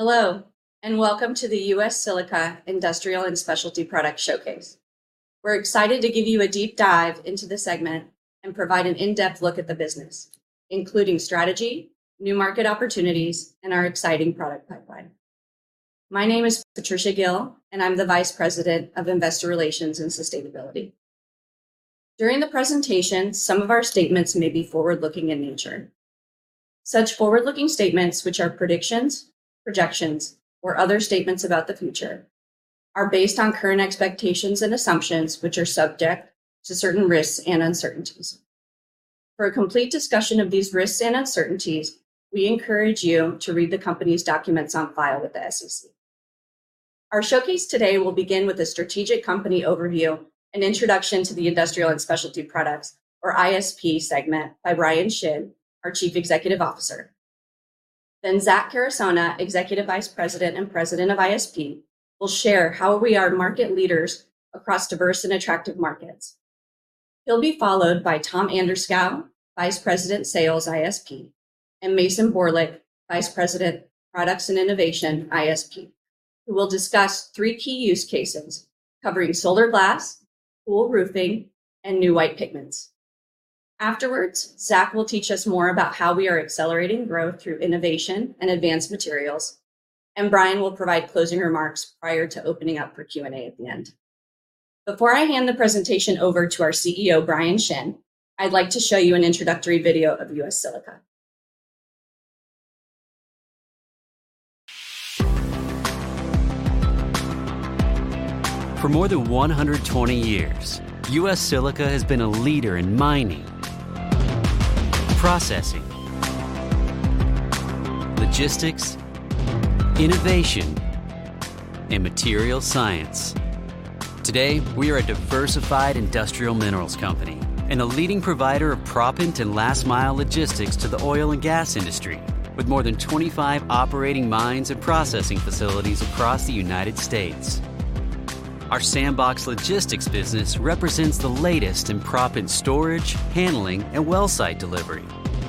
Hello, and welcome to the U.S. Silica Industrial and Specialty Product Showcase. We're excited to give you a deep dive into the segment and provide an in-depth look at the business, including strategy, new market opportunities, and our exciting product pipeline. My name is Patricia Gil, and I'm the Vice President of Investor Relations and Sustainability. During the presentation, some of our statements may be forward-looking in nature. Such forward-looking statements, which are predictions, projections, or other statements about the future, are based on current expectations and assumptions, which are subject to certain risks and uncertainties. For a complete discussion of these risks and uncertainties, we encourage you to read the company's documents on file with the SEC. Our showcase today will begin with a strategic company overview and introduction to the industrial and specialty products, or ISP segment, by Bryan Shinn, our Chief Executive Officer. Then Zach Carusona, Executive Vice President and President of ISP, will share how we are market leaders across diverse and attractive markets. He'll be followed by Tom Anderskow, Vice President Sales, ISP, and Mason Borlik, Vice President, Products and Innovation, ISP, who will discuss three key use cases covering solar glass, cool roofing, and new white pigments. Afterwards, Zach will teach us more about how we are accelerating growth through innovation and advanced materials, and Bryan will provide closing remarks prior to opening up for Q&A at the end. Before I hand the presentation over to our CEO, Bryan Shinn, I'd like to show you an introductory video of U.S. Silica. For more than 120 years, U.S. Silica has been a leader in mining, processing, logistics, innovation, and material science. Today, we are a diversified industrial minerals company and a leading provider of proppant and last mile logistics to the oil and gas industry, with more than 25 operating mines and processing facilities across the United States. Our SandBox Logistics business represents the latest in proppant storage, handling,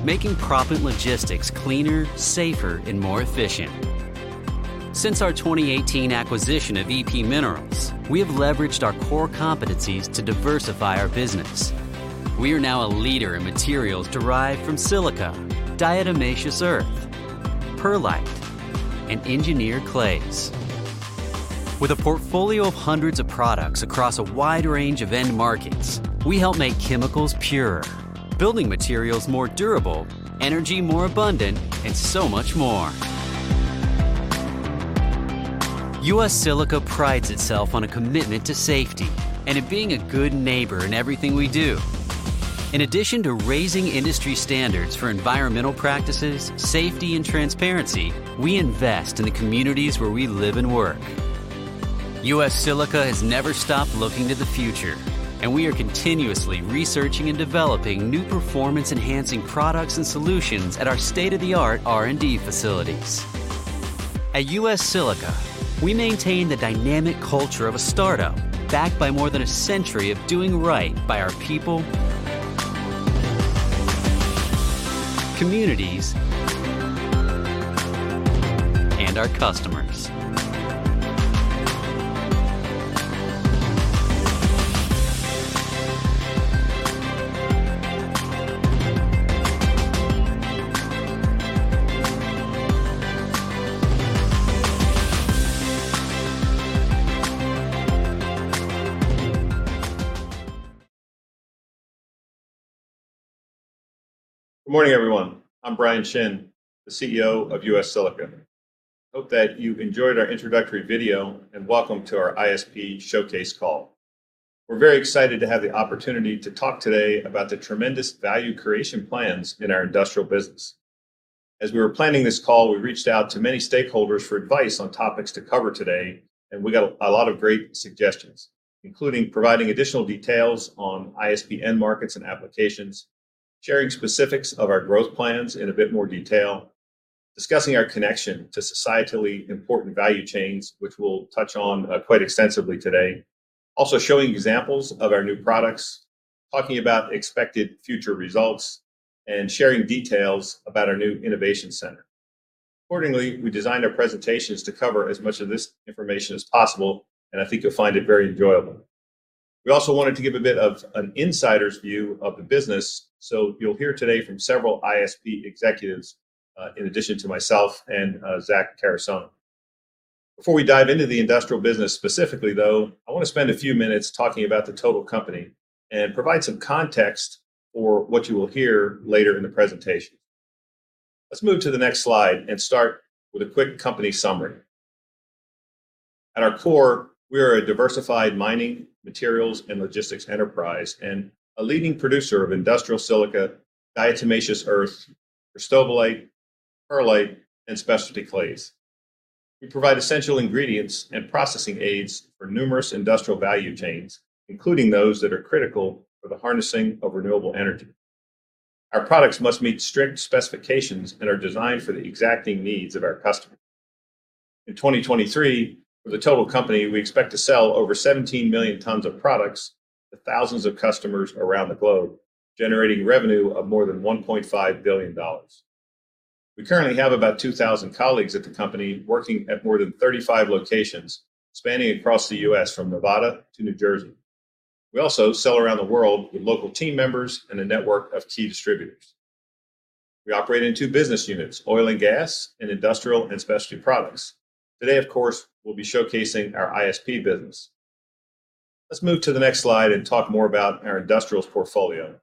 and well-site delivery, making proppant logistics cleaner, safer, and more efficient. Since our 2018 acquisition of EP Minerals, we have leveraged our core competencies to diversify our business. We are now a leader in materials derived from silica, diatomaceous earth, perlite, and engineered clays. With a portfolio of hundreds of products across a wide range of end markets, we help make chemicals purer, building materials more durable, energy more abundant, and so much more. U.S. Silica prides itself on a commitment to safety and in being a good neighbor in everything we do. In addition to raising industry standards for environmental practices, safety, and transparency, we invest in the communities where we live and work. U.S. Silica has never stopped looking to the future, and we are continuously researching and developing new performance-enhancing products and solutions at our state-of-the-art R&D facilities. At U.S. Silica, we maintain the dynamic culture of a startup, backed by more than a century of doing right by our people, communities, and our customers. Good morning, everyone. I'm Bryan Shinn, the CEO of U.S. Silica. Hope that you enjoyed our introductory video, and welcome to our ISP showcase call. We're very excited to have the opportunity to talk today about the tremendous value creation plans in our industrial business. As we were planning this call, we reached out to many stakeholders for advice on topics to cover today, and we got a lot of great suggestions, including providing additional details on ISP end markets and applications, sharing specifics of our growth plans in a bit more detail, discussing our connection to societally important value chains, which we'll touch on quite extensively today. Also, showing examples of our new products, talking about expected future results, and sharing details about our new innovation center. Accordingly, we designed our presentations to cover as much of this information as possible, and I think you'll find it very enjoyable. We also wanted to give a bit of an insider's view of the business, so you'll hear today from several ISP executives in addition to myself and Zach Carusona. Before we dive into the industrial business specifically, though, I want to spend a few minutes talking about the total company and provide some context for what you will hear later in the presentation. Let's move to the next slide and start with a quick company summary. At our core, we are a diversified mining, materials, and logistics enterprise and a leading producer of industrial silica, diatomaceous earth, cristobalite, perlite, and specialty clays. We provide essential ingredients and processing aids for numerous industrial value chains, including those that are critical for the harnessing of renewable energy. Our products must meet strict specifications and are designed for the exacting needs of our customers. In 2023, for the total company, we expect to sell over 17 million tons of products to thousands of customers around the globe, generating revenue of more than $1.5 billion. We currently have about 2,000 colleagues at the company, working at more than 35 locations, spanning across the U.S., from Nevada to New Jersey. We also sell around the world with local team members and a network of key distributors. We operate in two business units: oil and gas, and industrial and specialty products. Today, of course, we'll be showcasing our ISP business. Let's move to the next slide and talk more about our industrials portfolio.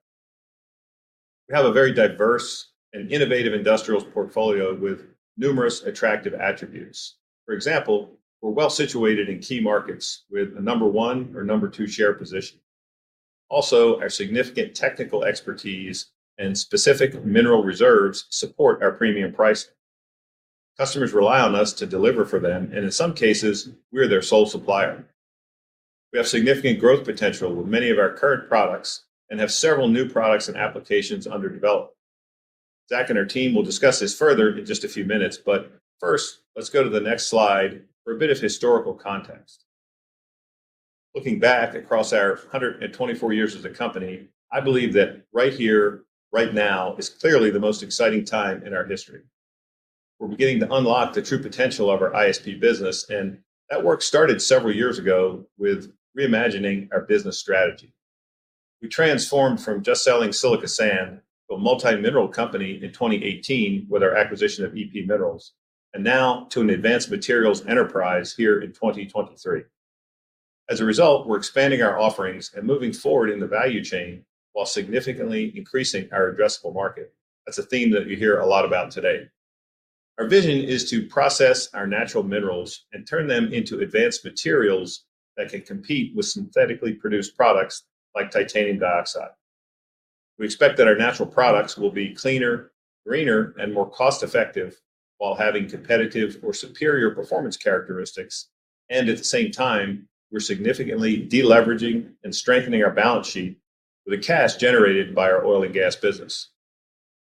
We have a very diverse and innovative industrials portfolio with numerous attractive attributes. For example, we're well-situated in key markets with a No. 1 or No. 2 share position. Also, our significant technical expertise and specific mineral reserves support our premium pricing. Customers rely on us to deliver for them, and in some cases, we are their sole supplier. We have significant growth potential with many of our current products and have several new products and applications under development. Zach and our team will discuss this further in just a few minutes, but first, let's go to the next slide for a bit of historical context. Looking back across our 124 years as a company, I believe that right here, right now, is clearly the most exciting time in our history. We're beginning to unlock the true potential of our ISP business, and that work started several years ago with reimagining our business strategy. We transformed from just selling silica sand to a multi-mineral company in 2018 with our acquisition of EP Minerals, and now to an advanced materials enterprise here in 2023. As a result, we're expanding our offerings and moving forward in the value chain while significantly increasing our addressable market. That's a theme that you hear a lot about today. Our vision is to process our natural minerals and turn them into advanced materials that can compete with synthetically produced products like titanium dioxide. We expect that our natural products will be cleaner, greener, and more cost-effective while having competitive or superior performance characteristics, and at the same time, we're significantly de-leveraging and strengthening our balance sheet with the cash generated by our oil and gas business.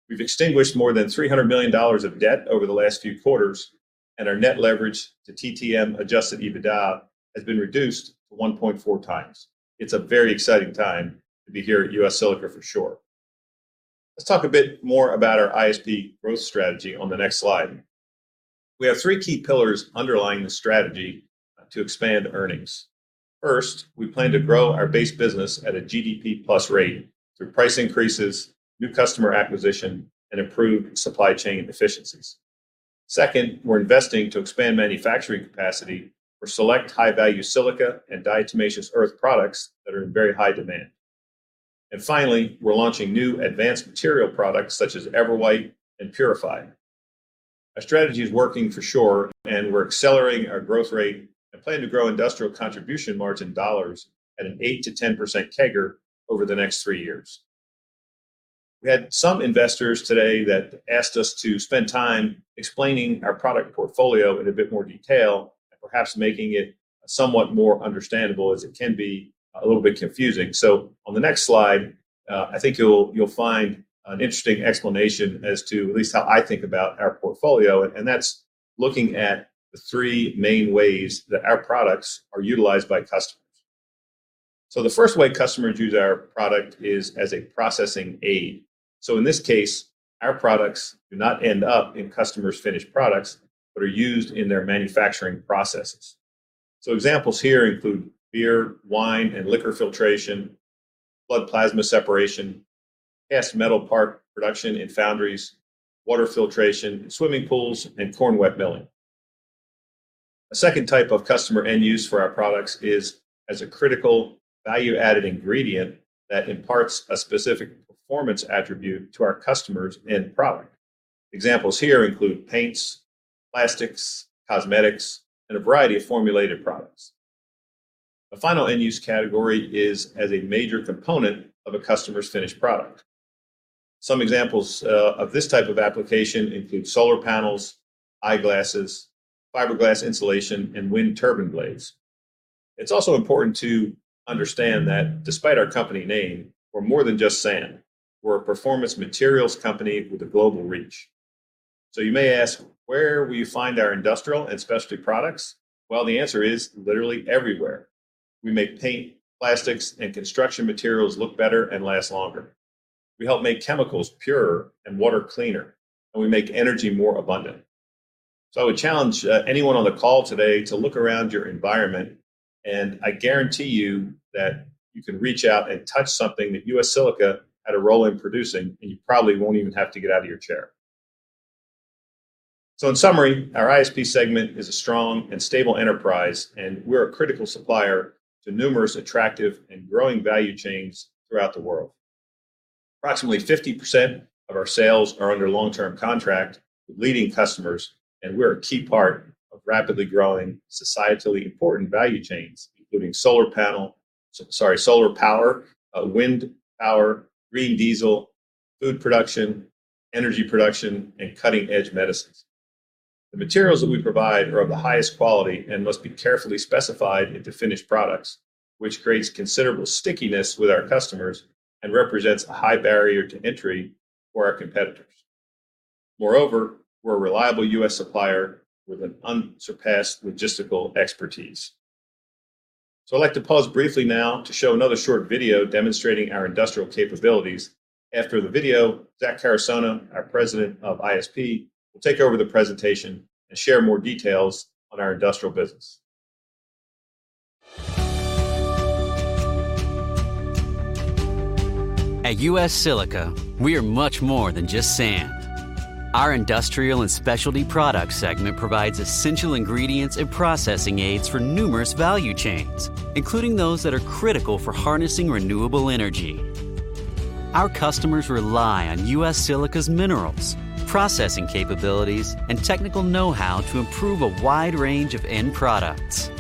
We've extinguished more than $300 million of debt over the last few quarters, and our net leverage to TTM adjusted EBITDA has been reduced to 1.4 times. It's a very exciting time to be here at U.S. Silica, for sure. Let's talk a bit more about our ISP growth strategy on the next slide. We have three key pillars underlying the strategy to expand earnings. First, we plan to grow our base business at a GDP+ rate through price increases, new customer acquisition, and improved supply chain efficiencies. Second, we're investing to expand manufacturing capacity for select high-value silica and diatomaceous earth products that are in very high demand. And finally, we're launching new advanced material products, such as EverWhite and PurifiDE. Our strategy is working for sure, and we're accelerating our growth rate and plan to grow industrial contribution margin dollars at an 8%-10% CAGR over the next three years. We had some investors today that asked us to spend time explaining our product portfolio in a bit more detail and perhaps making it somewhat more understandable, as it can be a little bit confusing. So on the next slide, I think you'll find an interesting explanation as to at least how I think about our portfolio, and that's looking at the three main ways that our products are utilized by customers. So the first way customers use our product is as a processing aid. So in this case, our products do not end up in customers' finished products, but are used in their manufacturing processes. Examples here include beer, wine, and liquor filtration, blood plasma separation, cast metal part production in foundries, water filtration in swimming pools, and corn wet milling. A second type of customer end use for our products is as a critical value-added ingredient that imparts a specific performance attribute to our customers' end product. Examples here include paints, plastics, cosmetics, and a variety of formulated products. The final end-use category is as a major component of a customer's finished product. Some examples of this type of application include solar panels, eyeglasses, fiberglass insulation, and wind turbine blades. It's also important to understand that despite our company name, we're more than just sand. We're a performance materials company with a global reach. So you may ask, where will you find our industrial and specialty products? Well, the answer is literally everywhere. We make paint, plastics, and construction materials look better and last longer. We help make chemicals purer and water cleaner, and we make energy more abundant. So I would challenge anyone on the call today to look around your environment, and I guarantee you that you can reach out and touch something that U.S. Silica had a role in producing, and you probably won't even have to get out of your chair. So in summary, our ISP segment is a strong and stable enterprise, and we're a critical supplier to numerous attractive and growing value chains throughout the world. Approximately 50% of our sales are under long-term contract with leading customers, and we're a key part of rapidly growing, societally important value chains, including solar power, wind power, green diesel, food production, energy production, and cutting-edge medicines. The materials that we provide are of the highest quality and must be carefully specified into finished products, which creates considerable stickiness with our customers and represents a high barrier to entry for our competitors. Moreover, we're a reliable U.S. supplier with an unsurpassed logistical expertise. So I'd like to pause briefly now to show another short video demonstrating our industrial capabilities. After the video, Zach Carusona, our President of ISP, will take over the presentation and share more details on our industrial business. At U.S. Silica, we are much more than just sand. Our industrial and specialty product segment provides essential ingredients and processing aids for numerous value chains, including those that are critical for harnessing renewable energy. Our customers rely on U.S. Silica's minerals, processing capabilities, and technical know-how to improve a wide range of end products.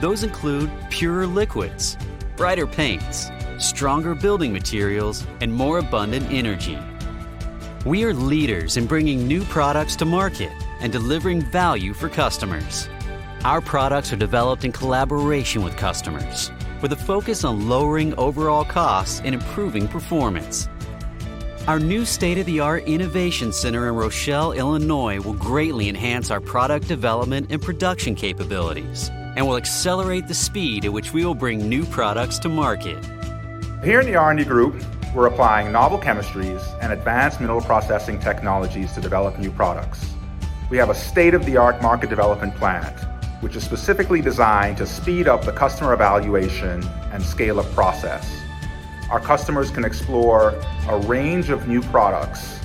Those include pure liquids, brighter paints, stronger building materials, and more abundant energy. We are leaders in bringing new products to market and delivering value for customers. Our products are developed in collaboration with customers, with a focus on lowering overall costs and improving performance. Our new state-of-the-art innovation center in Rochelle, Illinois, will greatly enhance our product development and production capabilities and will accelerate the speed at which we will bring new products to market. Here in the R&D group, we're applying novel chemistries and advanced mineral processing technologies to develop new products. We have a state-of-the-art market development plant, which is specifically designed to speed up the customer evaluation and scale of process. Our customers can explore a range of new products,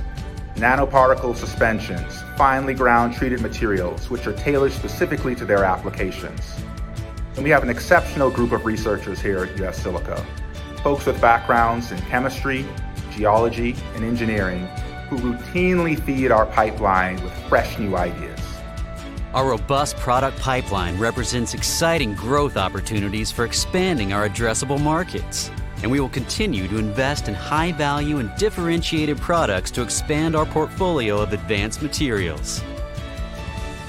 nanoparticle suspensions, finely ground treated materials, which are tailored specifically to their applications. We have an exceptional group of researchers here at U.S. Silica, folks with backgrounds in chemistry, geology, and engineering who routinely feed our pipeline with fresh, new ideas. Our robust product pipeline represents exciting growth opportunities for expanding our addressable markets, and we will continue to invest in high value and differentiated products to expand our portfolio of advanced materials.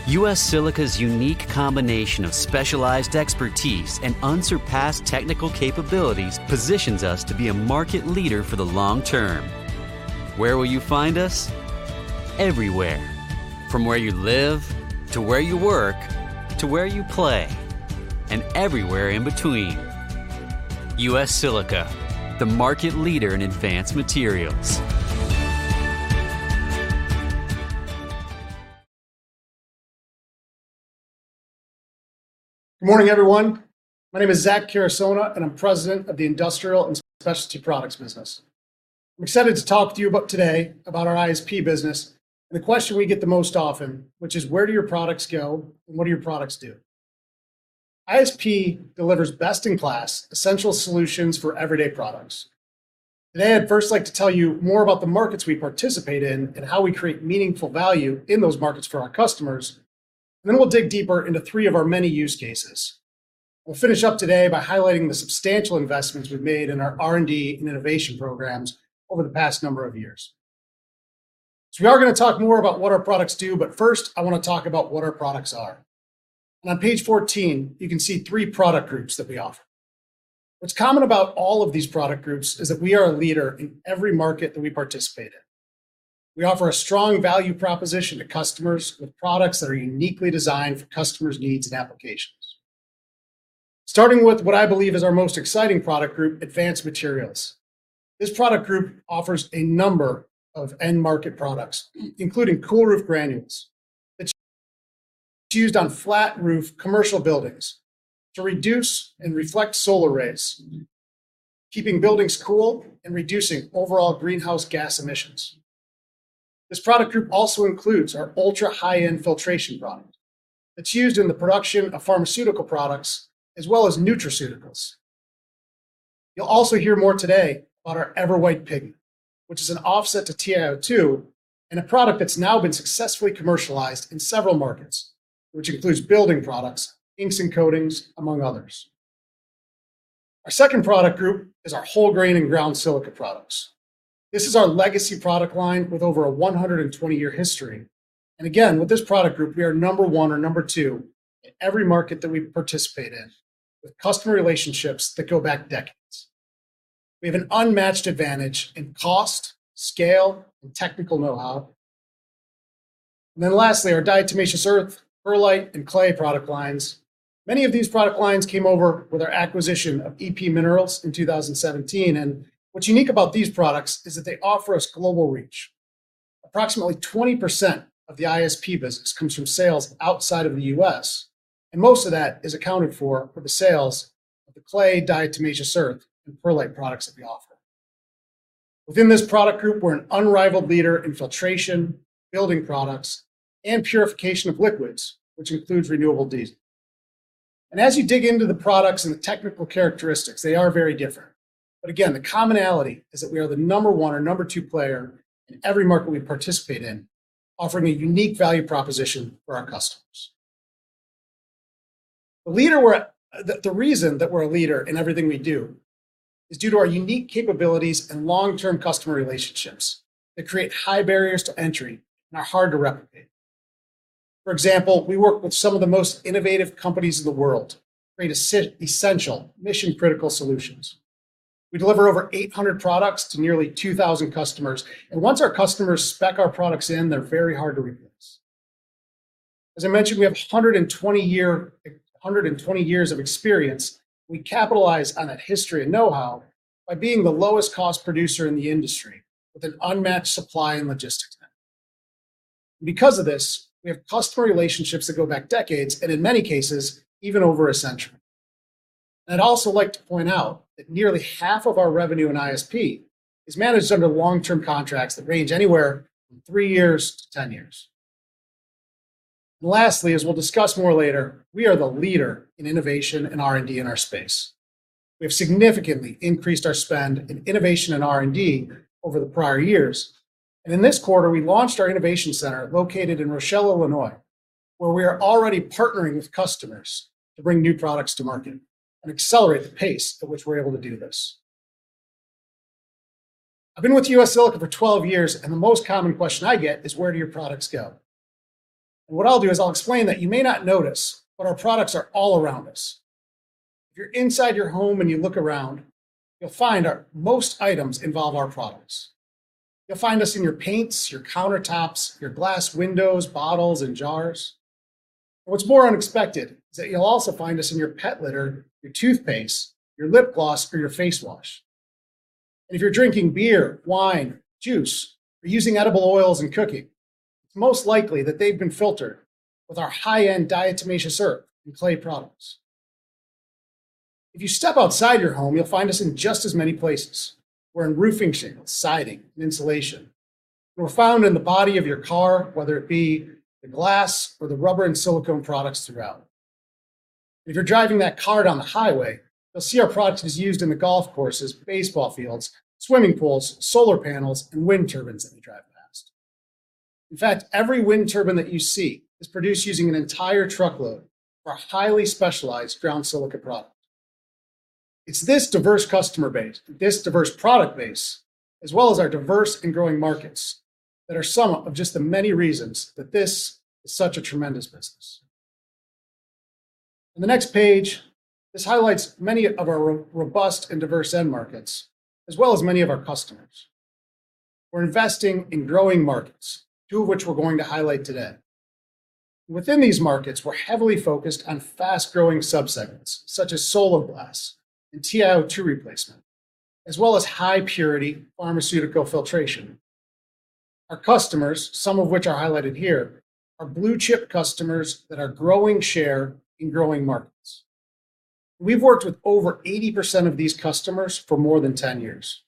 U.S. Silica's unique combination of specialized expertise and unsurpassed technical capabilities positions us to be a market leader for the long term. Where will you find us? Everywhere, from where you live, to where you work, to where you play, and everywhere in between. U.S. Silica, the market leader in advanced materials. Good morning, everyone. My name is Zach Carusona, and I'm President of the Industrial and Specialty Products business. I'm excited to talk to you today about our ISP business, and the question we get the most often, which is: Where do your products go, and what do your products do? ISP delivers best-in-class, essential solutions for everyday products. Today, I'd first like to tell you more about the markets we participate in and how we create meaningful value in those markets for our customers. Then we'll dig deeper into three of our many use cases. We'll finish up today by highlighting the substantial investments we've made in our R&D and innovation programs over the past number of years. We are going to talk more about what our products do, but first, I want to talk about what our products are. On page 14, you can see three product groups that we offer. What's common about all of these product groups is that we are a leader in every market that we participate in. We offer a strong value proposition to customers with products that are uniquely designed for customers' needs and applications. Starting with what I believe is our most exciting product group, advanced materials. This product group offers a number of end-market products, including cool roof granules. It's used on flat-roof commercial buildings to reduce and reflect solar rays, keeping buildings cool and reducing overall greenhouse gas emissions. This product group also includes our ultra-high-end filtration product. It's used in the production of pharmaceutical products as well as nutraceuticals. You'll also hear more today about our EverWhite pigment, which is an offset to TiO2 and a product that's now been successfully commercialized in several markets, which includes building products, inks, and coatings, among others. Our second product group is our whole grain and ground silica products. This is our legacy product line with over a 100-year history. And again, with this product group, we are number one or number two in every market that we participate in, with customer relationships that go back decades. We have an unmatched advantage in cost, scale, and technical know-how. And then lastly, our diatomaceous earth, perlite, and clay product lines. Many of these product lines came over with our acquisition of EP Minerals in 2017, and what's unique about these products is that they offer us global reach. Approximately 20% of the ISP business comes from sales outside of the U.S., and most of that is accounted for, for the sales of the clay, diatomaceous earth, and perlite products that we offer. Within this product group, we're an unrivaled leader in filtration, building products, and purification of liquids, which includes renewable diesel. And as you dig into the products and the technical characteristics, they are very different. But again, the commonality is that we are the number one or number two player in every market we participate in, offering a unique value proposition for our customers. The reason that we're a leader in everything we do is due to our unique capabilities and long-term customer relationships that create high barriers to entry and are hard to replicate. For example, we work with some of the most innovative companies in the world to create essential mission-critical solutions. We deliver over 800 products to nearly 2,000 customers, and once our customers spec our products in, they're very hard to replace. As I mentioned, we have 120 years of experience. We capitalize on that history and know-how by being the lowest cost producer in the industry, with an unmatched supply and logistics network. Because of this, we have customer relationships that go back decades, and in many cases, even over a century. I'd also like to point out that nearly half of our revenue in ISP is managed under long-term contracts that range anywhere from three years to 10 years. Lastly, as we'll discuss more later, we are the leader in innovation and R&D in our space. We have significantly increased our spend in innovation and R&D over the prior years, and in this quarter, we launched our innovation center located in Rochelle, Illinois, where we are already partnering with customers to bring new products to market and accelerate the pace at which we're able to do this. I've been with U.S. Silica for 12 years, and the most common question I get is: Where do your products go? What I'll do is I'll explain that you may not notice, but our products are all around us. If you're inside your home and you look around, you'll find our most items involve our products. You'll find us in your paints, your countertops, your glass windows, bottles, and jars. What's more unexpected is that you'll also find us in your pet litter, your toothpaste, your lip gloss, or your face wash. If you're drinking beer, wine, juice, or using edible oils in cooking, it's most likely that they've been filtered with our high-end diatomaceous earth and clay products. If you step outside your home, you'll find us in just as many places. We're in roofing shingles, siding, and insulation. We're found in the body of your car, whether it be the glass or the rubber and silicone products throughout. If you're driving that car down the highway, you'll see our products is used in the golf courses, baseball fields, swimming pools, solar panels, and wind turbines that you drive past. In fact, every wind turbine that you see is produced using an entire truckload for a highly specialized ground silica product. It's this diverse customer base, this diverse product base, as well as our diverse and growing markets, that are some of just the many reasons that this is such a tremendous business. In the next page, this highlights many of our robust and diverse end markets, as well as many of our customers. We're investing in growing markets, two of which we're going to highlight today. Within these markets, we're heavily focused on fast-growing subsegments, such as solar glass and TiO₂ replacement, as well as high-purity pharmaceutical filtration. Our customers, some of which are highlighted here, are blue-chip customers that are growing share in growing markets. We've worked with over 80% of these customers for more than 10 years.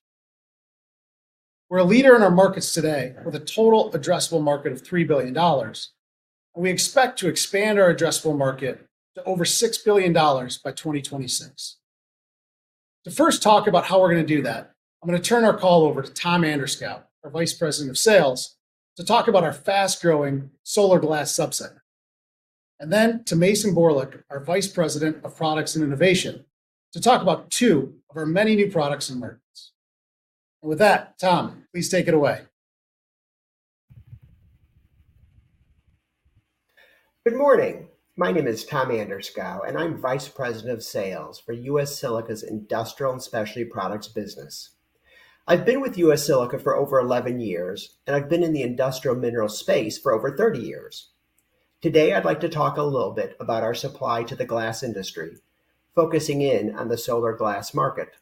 We're a leader in our markets today with a total addressable market of $3 billion, and we expect to expand our addressable market to over $6 billion by 2026. To first talk about how we're going to do that, I'm going to turn our call over to Tom Anderskow, our Vice President of Sales, to talk about our fast-growing solar glass subset, and then to Mason Borlik, our Vice President of Products and Innovation, to talk about two of our many new products and markets. With that, Tom, please take it away. Good morning. My name is Tom Anderskow, and I'm Vice President of Sales for U.S. Silica's Industrial and Specialty Products business. I've been with U.S. Silica for over 11 years, and I've been in the industrial mineral space for over 30 years. Today, I'd like to talk a little bit about our supply to the glass industry, focusing in on the solar glass market.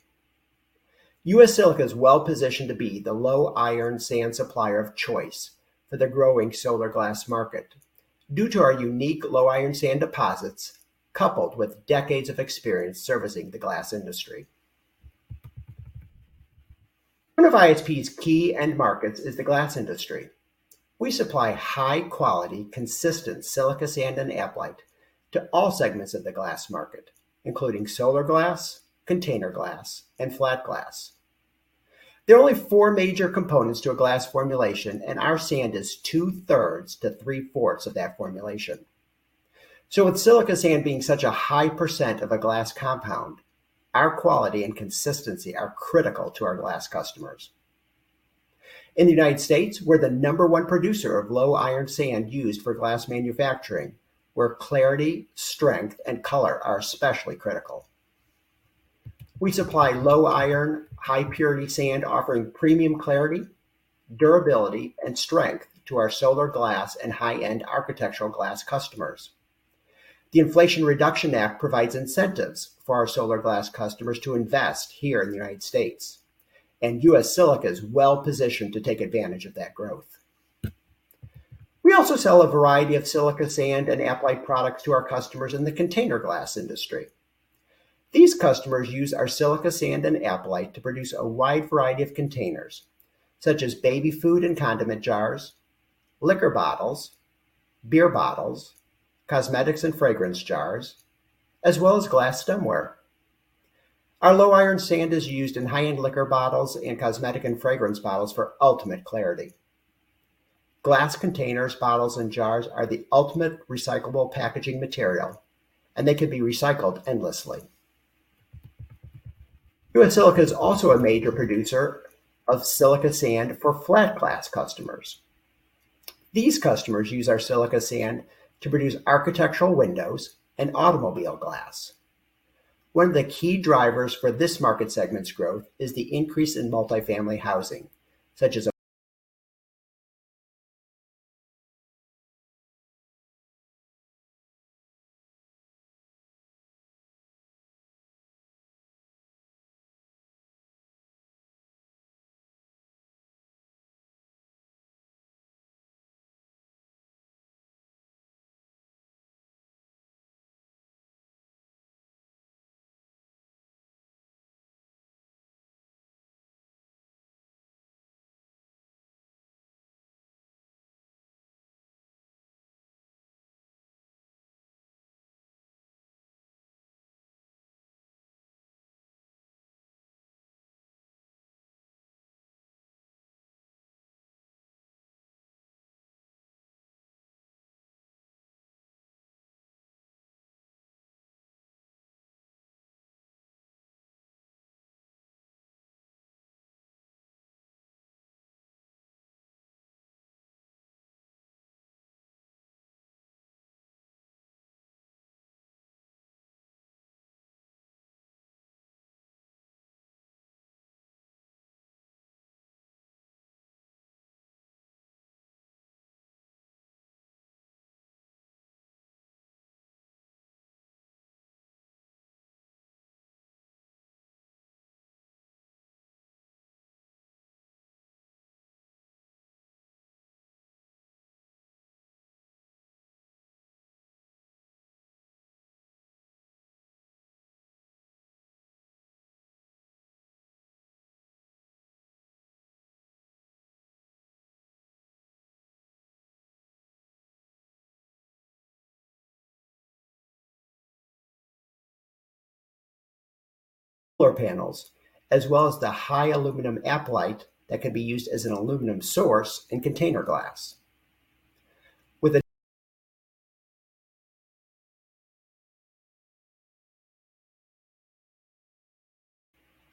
U.S. Silica is well positioned to be the low-iron sand supplier of choice for the growing solar glass market due to our unique low-iron sand deposits, coupled with decades of experience servicing the glass industry. One of ISP's key end markets is the glass industry. We supply high-quality, consistent silica sand and aplite to all segments of the glass market, including solar glass, container glass, and flat glass. There are only four major components to a glass formulation, and our sand is two-thirds to three-fourths of that formulation. So with silica sand being such a high percent of a glass compound, our quality and consistency are critical to our glass customers. In the United States, we're the number one producer of low-iron sand used for glass manufacturing, where clarity, strength, and color are especially critical. We supply low-iron, high-purity sand, offering premium clarity, durability, and strength to our solar glass and high-end architectural glass customers. The Inflation Reduction Act provides incentives for our solar glass customers to invest here in the United States, and U.S. Silica is well positioned to take advantage of that growth. We also sell a variety of silica sand and aplite products to our customers in the container glass industry. These customers use our silica sand and aplite to produce a wide variety of containers, such as baby food and condiment jars, liquor bottles, beer bottles, cosmetics and fragrance jars, as well as glass stemware. Our low-iron sand is used in high-end liquor bottles and cosmetic and fragrance bottles for ultimate clarity. Glass containers, bottles, and jars are the ultimate recyclable packaging material, and they can be recycled endlessly. U.S. Silica is also a major producer of silica sand for flat glass customers. These customers use our silica sand to produce architectural windows and automobile glass. One of the key drivers for this market segment's growth is the increase in multifamily housing, such as solar panels, as well as the high aluminum aplite that can be used as an aluminum source in container glass. With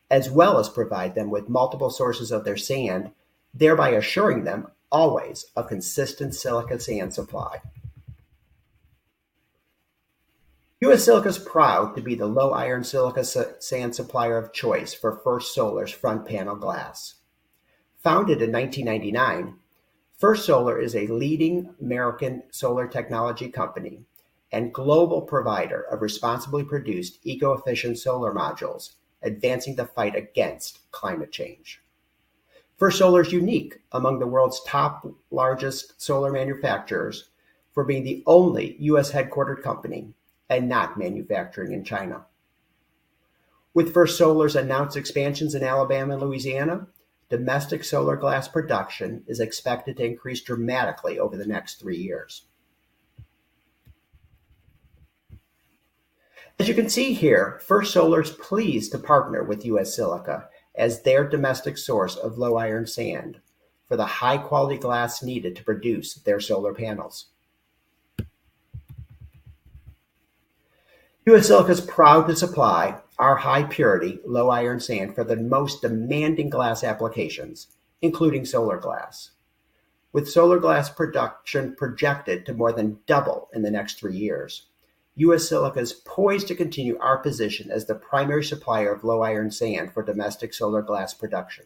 as well as provide them with multiple sources of their sand, thereby assuring them always a consistent silica sand supply. U.S. Silica is proud to be the low iron silica sand supplier of choice for First Solar's front panel glass. Founded in 1999, First Solar is a leading American solar technology company and global provider of responsibly produced eco-efficient solar modules, advancing the fight against climate change. First Solar is unique among the world's top largest solar manufacturers for being the only U.S.-headquartered company and not manufacturing in China. With First Solar's announced expansions in Alabama and Louisiana, domestic solar glass production is expected to increase dramatically over the next three years. As you can see here, First Solar is pleased to partner with U.S. Silica as their domestic source of low iron sand for the high-quality glass needed to produce their solar panels. U.S. Silica is proud to supply our high purity, low iron sand for the most demanding glass applications, including solar glass. With solar glass production projected to more than double in the next three years, U.S. Silica is poised to continue our position as the primary supplier of low iron sand for domestic solar glass production.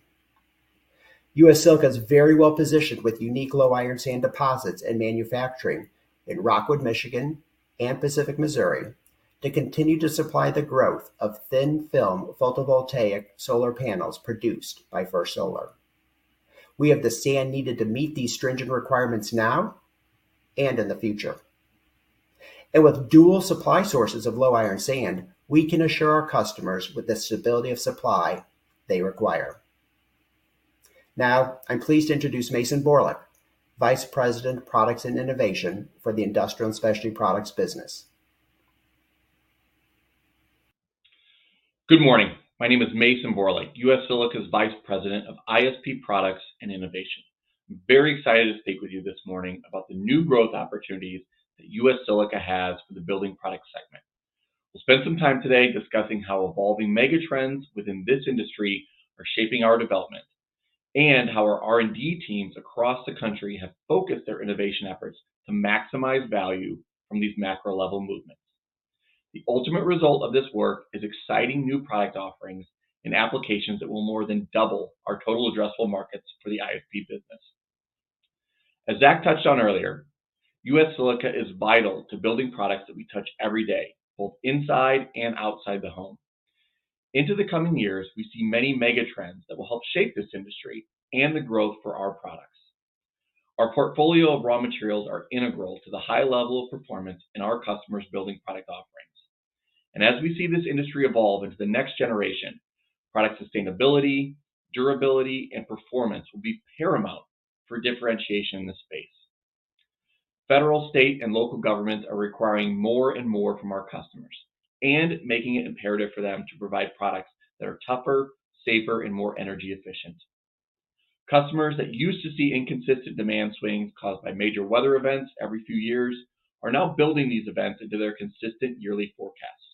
U.S. Silica is very well positioned with unique low iron sand deposits and manufacturing in Rockwood, Michigan, and Pacific, Missouri, to continue to supply the growth of thin-film photovoltaic solar panels produced by First Solar. We have the sand needed to meet these stringent requirements now and in the future. And with dual supply sources of low iron sand, we can assure our customers with the stability of supply they require. Now, I'm pleased to introduce Mason Borlik, Vice President of Products and Innovation for the Industrial and Specialty Products business. Good morning. My name is Mason Borlik, U.S. Silica's Vice President of ISP Products and Innovation. I'm very excited to speak with you this morning about the new growth opportunities that U.S. Silica has for the building product segment. We'll spend some time today discussing how evolving mega trends within this industry are shaping our development, and how our R&D teams across the country have focused their innovation efforts to maximize value from these macro-level movements. The ultimate result of this work is exciting new product offerings and applications that will more than double our total addressable markets for the ISP business. As Zach touched on earlier, U.S. Silica is vital to building products that we touch every day, both inside and outside the home. Into the coming years, we see many mega trends that will help shape this industry and the growth for our products. Our portfolio of raw materials are integral to the high level of performance in our customers' building product offerings. As we see this industry evolve into the next generation, product sustainability, durability, and performance will be paramount for differentiation in the space. Federal, state, and local governments are requiring more and more from our customers and making it imperative for them to provide products that are tougher, safer, and more energy efficient. Customers that used to see inconsistent demand swings caused by major weather events every few years are now building these events into their consistent yearly forecasts.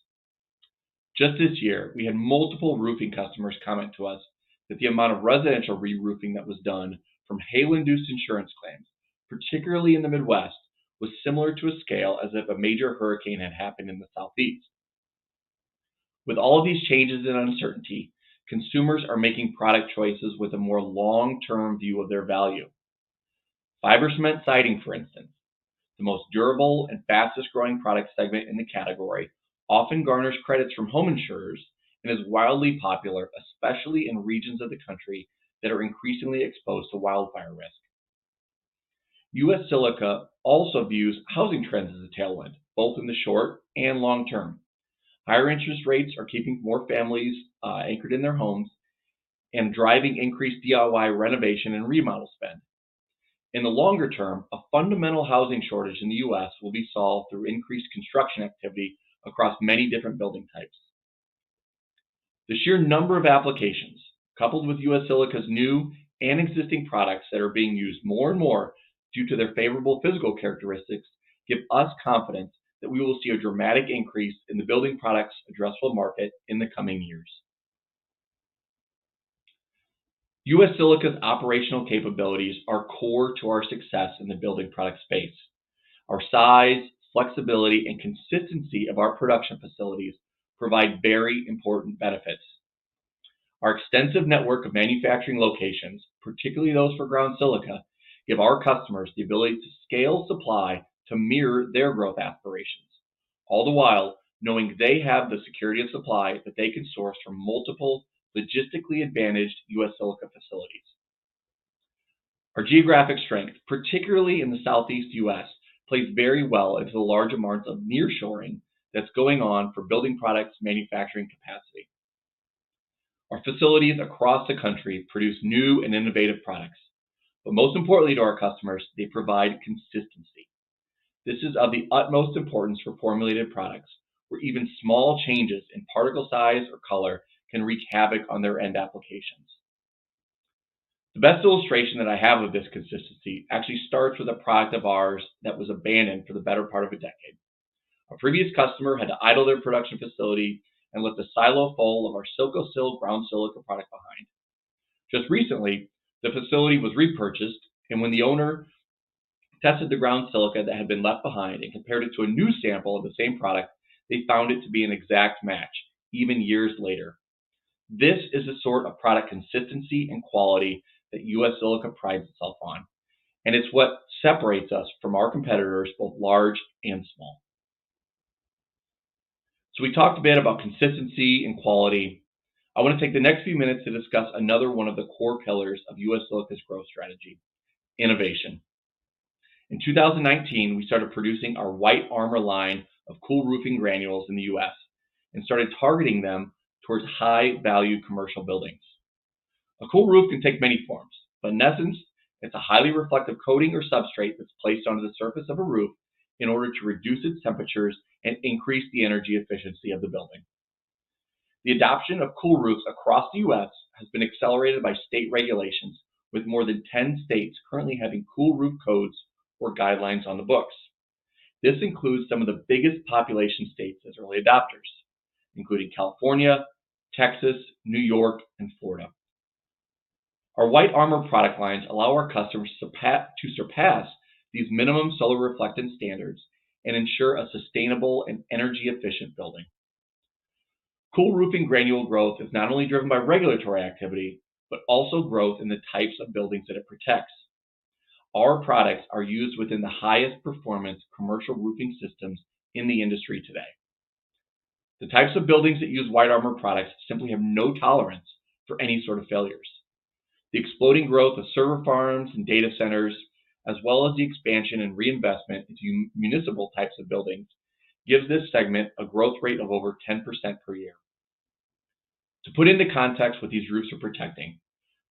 Just this year, we had multiple roofing customers comment to us that the amount of residential reroofing that was done from hail-induced insurance claims, particularly in the Midwest, was similar to a scale as if a major hurricane had happened in the Southeast. With all of these changes and uncertainty, consumers are making product choices with a more long-term view of their value. Fiber cement siding, for instance, the most durable and fastest-growing product segment in the category, often garners credits from home insurers and is wildly popular, especially in regions of the country that are increasingly exposed to wildfire risk. U.S. Silica also views housing trends as a tailwind, both in the short and long term. Higher interest rates are keeping more families, anchored in their homes and driving increased DIY renovation and remodel spend. In the longer term, a fundamental housing shortage in the U.S. will be solved through increased construction activity across many different building types. The sheer number of applications, coupled with U.S. Silica's new and existing products that are being used more and more due to their favorable physical characteristics, give us confidence that we will see a dramatic increase in the building products addressable market in the coming years. U.S. Silica's operational capabilities are core to our success in the building product space. Our size, flexibility, and consistency of our production facilities provide very important benefits. Our extensive network of manufacturing locations, particularly those for ground silica, give our customers the ability to scale supply to mirror their growth aspirations, all the while knowing they have the security of supply that they can source from multiple logistically advantaged U.S. Silica facilities. Our geographic strength, particularly in the Southeast U.S., plays very well into the large amounts of nearshoring that's going on for building products manufacturing capacity. Our facilities across the country produce new and innovative products, but most importantly to our customers, they provide consistency. This is of the utmost importance for formulated products, where even small changes in particle size or color can wreak havoc on their end applications. The best illustration that I have of this consistency actually starts with a product of ours that was abandoned for the better part of a decade. A previous customer had to idle their production facility and left a silo full of our Sil-Co-Sil ground silica product behind. Just recently, the facility was repurchased, and when the owner tested the ground silica that had been left behind and compared it to a new sample of the same product, they found it to be an exact match, even years later. This is the sort of product consistency and quality that U.S. Silica prides itself on, and it's what separates us from our competitors, both large and small. So we talked a bit about consistency and quality. I want to take the next few minutes to discuss another one of the core pillars of U.S. Silica's growth strategy: innovation. In 2019, we started producing our White Armor line of cool roofing granules in the U.S. and started targeting them towards high-value commercial buildings. A cool roof can take many forms, but in essence, it's a highly reflective coating or substrate that's placed onto the surface of a roof in order to reduce its temperatures and increase the energy efficiency of the building. The adoption of cool roofs across the U.S. has been accelerated by state regulations, with more than 10 states currently having cool roof codes or guidelines on the books. This includes some of the biggest population states as early adopters, including California, Texas, New York, and Florida. Our White Armor product lines allow our customers to surpass these minimum solar reflectance standards and ensure a sustainable and energy-efficient building. Cool roofing granule growth is not only driven by regulatory activity, but also growth in the types of buildings that it protects. Our products are used within the highest performance commercial roofing systems in the industry today. The types of buildings that use White Armor products simply have no tolerance for any sort of failures. The exploding growth of server farms and data centers, as well as the expansion and reinvestment into municipal types of buildings, gives this segment a growth rate of over 10% per year. To put into context what these roofs are protecting,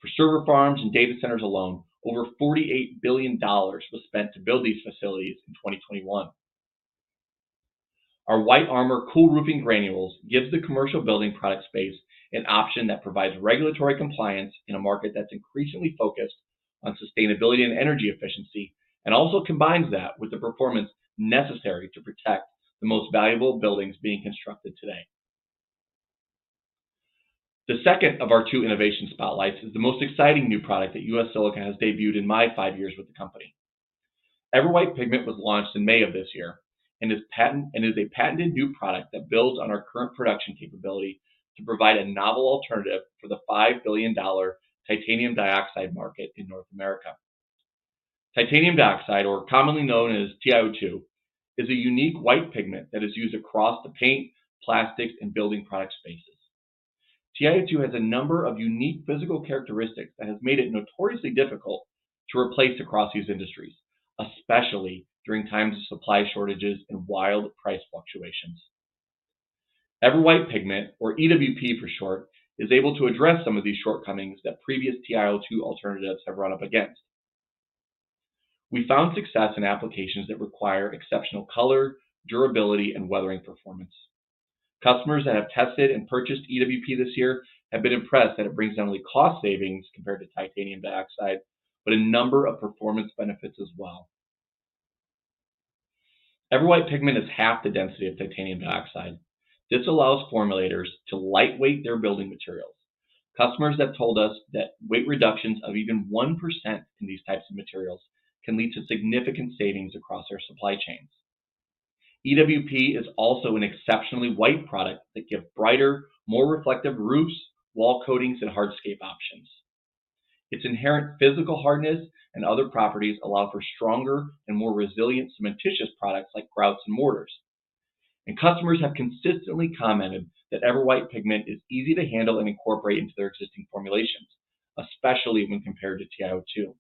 for server farms and data centers alone, over $48 billion was spent to build these facilities in 2021. Our White Armor cool roofing granules gives the commercial building product space an option that provides regulatory compliance in a market that's increasingly focused on sustainability and energy efficiency, and also combines that with the performance necessary to protect the most valuable buildings being constructed today. The second of our two innovation spotlights is the most exciting new product that U.S. Silica has debuted in my five years with the company. EverWhite Pigment was launched in May of this year and is a patented new product that builds on our current production capability to provide a novel alternative for the $5 billion titanium dioxide market in North America. Titanium dioxide, or commonly known as TiO2, is a unique white pigment that is used across the paint, plastics, and building product spaces. TiO2 has a number of unique physical characteristics that has made it notoriously difficult to replace across these industries, especially during times of supply shortages and wild price fluctuations. EverWhite Pigment, or EWP for short, is able to address some of these shortcomings that previous TiO2 alternatives have run up against. We found success in applications that require exceptional color, durability, and weathering performance. Customers that have tested and purchased EWP this year have been impressed that it brings not only cost savings compared to titanium dioxide, but a number of performance benefits as well. EverWhite Pigment is half the density of titanium dioxide. This allows formulators to lightweight their building materials. Customers have told us that weight reductions of even 1% in these types of materials can lead to significant savings across our supply chains. EWP is also an exceptionally white product that give brighter, more reflective roofs, wall coatings, and hardscape options. Its inherent physical hardness and other properties allow for stronger and more resilient cementitious products like grouts and mortars. And customers have consistently commented that EverWhite Pigment is easy to handle and incorporate into their existing formulations, especially when compared to TiO₂.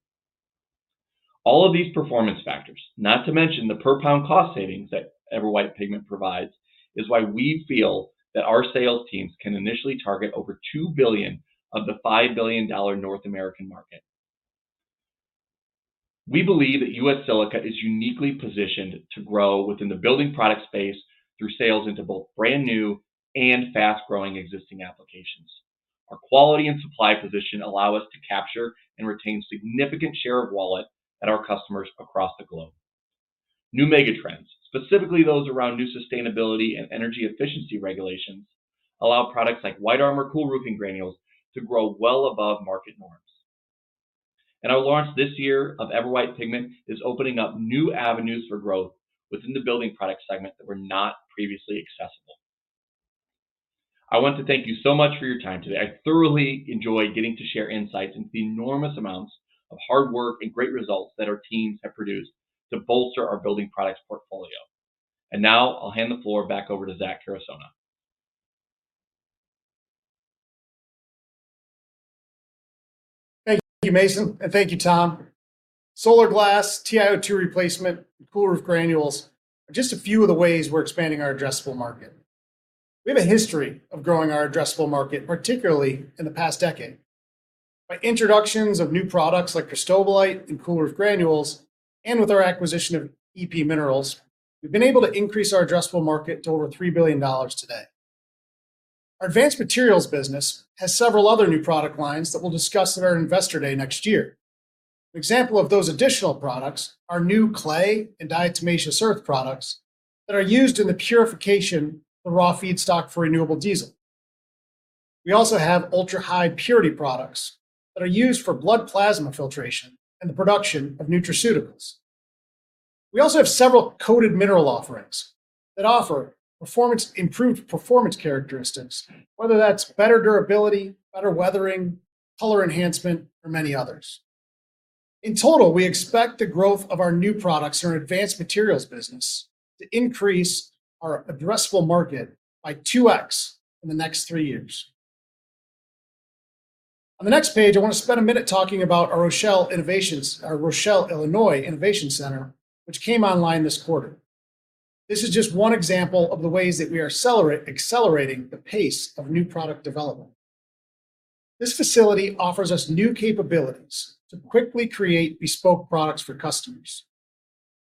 All of these performance factors, not to mention the per-pound cost savings that EverWhite Pigment provides, is why we feel that our sales teams can initially target over $2 billion of the $5 billion North American market. We believe that U.S. Silica is uniquely positioned to grow within the building product space through sales into both brand new and fast-growing existing applications. Our quality and supply position allow us to capture and retain significant share of wallet at our customers across the globe. New megatrends, specifically those around new sustainability and energy efficiency regulations, allow products like White Armor Cool Roofing Granules to grow well above market norms. Our launch this year of EverWhite Pigment is opening up new avenues for growth within the building product segment that were not previously accessible. I want to thank you so much for your time today. I thoroughly enjoyed getting to share insights into the enormous amounts of hard work and great results that our teams have produced to bolster our building products portfolio. Now I'll hand the floor back over to Zach Carusona. Thank you, Mason, and thank you, Tom. Solar glass, TiO₂ replacement, cool roof granules are just a few of the ways we're expanding our addressable market. We have a history of growing our addressable market, particularly in the past decade. By introductions of new products like cristobalite and cool roof granules, and with our acquisition of EP Minerals, we've been able to increase our addressable market to over $3 billion today. Our advanced materials business has several other new product lines that we'll discuss at our Investor Day next year. An example of those additional products are new clay and diatomaceous earth products that are used in the purification of raw feedstock for renewable diesel. We also have ultra-high purity products that are used for blood plasma filtration and the production of nutraceuticals. We also have several coated mineral offerings that offer performance-improved performance characteristics, whether that's better durability, better weathering, color enhancement, or many others. In total, we expect the growth of our new products in our advanced materials business to increase our addressable market by 2x in the next three years. On the next page, I want to spend a minute talking about our Rochelle Innovation Center, our Rochelle, Illinois Innovation Center, which came online this quarter. This is just one example of the ways that we are accelerating the pace of new product development. This facility offers us new capabilities to quickly create bespoke products for customers.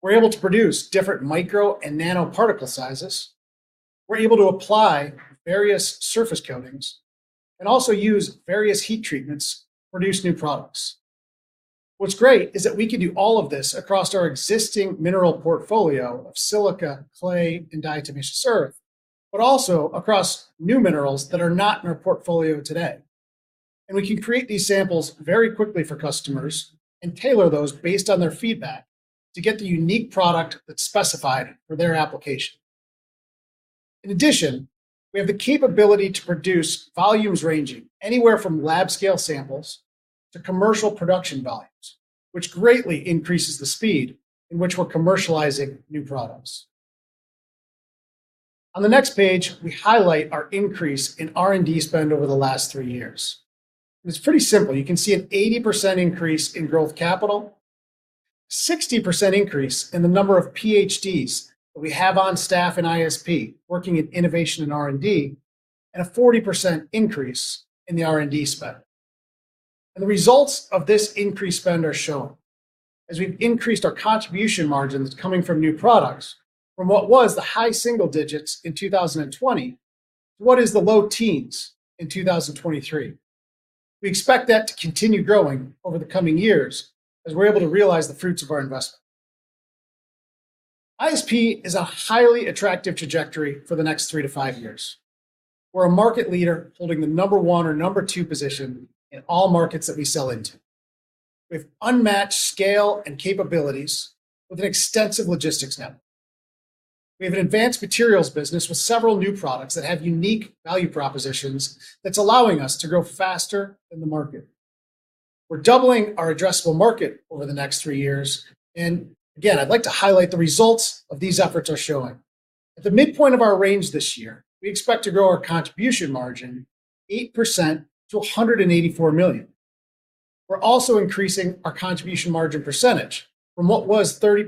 We're able to produce different micro and nanoparticle sizes. We're able to apply various surface coatings and also use various heat treatments to produce new products. What's great is that we can do all of this across our existing mineral portfolio of silica, clay, and diatomaceous earth, but also across new minerals that are not in our portfolio today. And we can create these samples very quickly for customers and tailor those based on their feedback to get the unique product that's specified for their application. In addition, we have the capability to produce volumes ranging anywhere from lab-scale samples to commercial production volumes, which greatly increases the speed in which we're commercializing new products. On the next page, we highlight our increase in R&D spend over the last three years. It's pretty simple. You can see an 80% increase in growth capital, 60% increase in the number of PhDs that we have on staff in ISP, working in innovation and R&D, and a 40% increase in the R&D spend. The results of this increased spend are shown as we've increased our contribution margins coming from new products from what was the high single digits in 2020, to what is the low teens in 2023. We expect that to continue growing over the coming years as we're able to realize the fruits of our investment. ISP is a highly attractive trajectory for the next three to five years. We're a market leader holding the number one or number two position in all markets that we sell into. We have unmatched scale and capabilities with an extensive logistics network. We have an advanced materials business with several new products that have unique value propositions that's allowing us to grow faster than the market. We're doubling our addressable market over the next three years, and again, I'd like to highlight the results of these efforts are showing. At the midpoint of our range this year, we expect to grow our contribution margin 8% to $184 million. We're also increasing our contribution margin percentage from what was 30%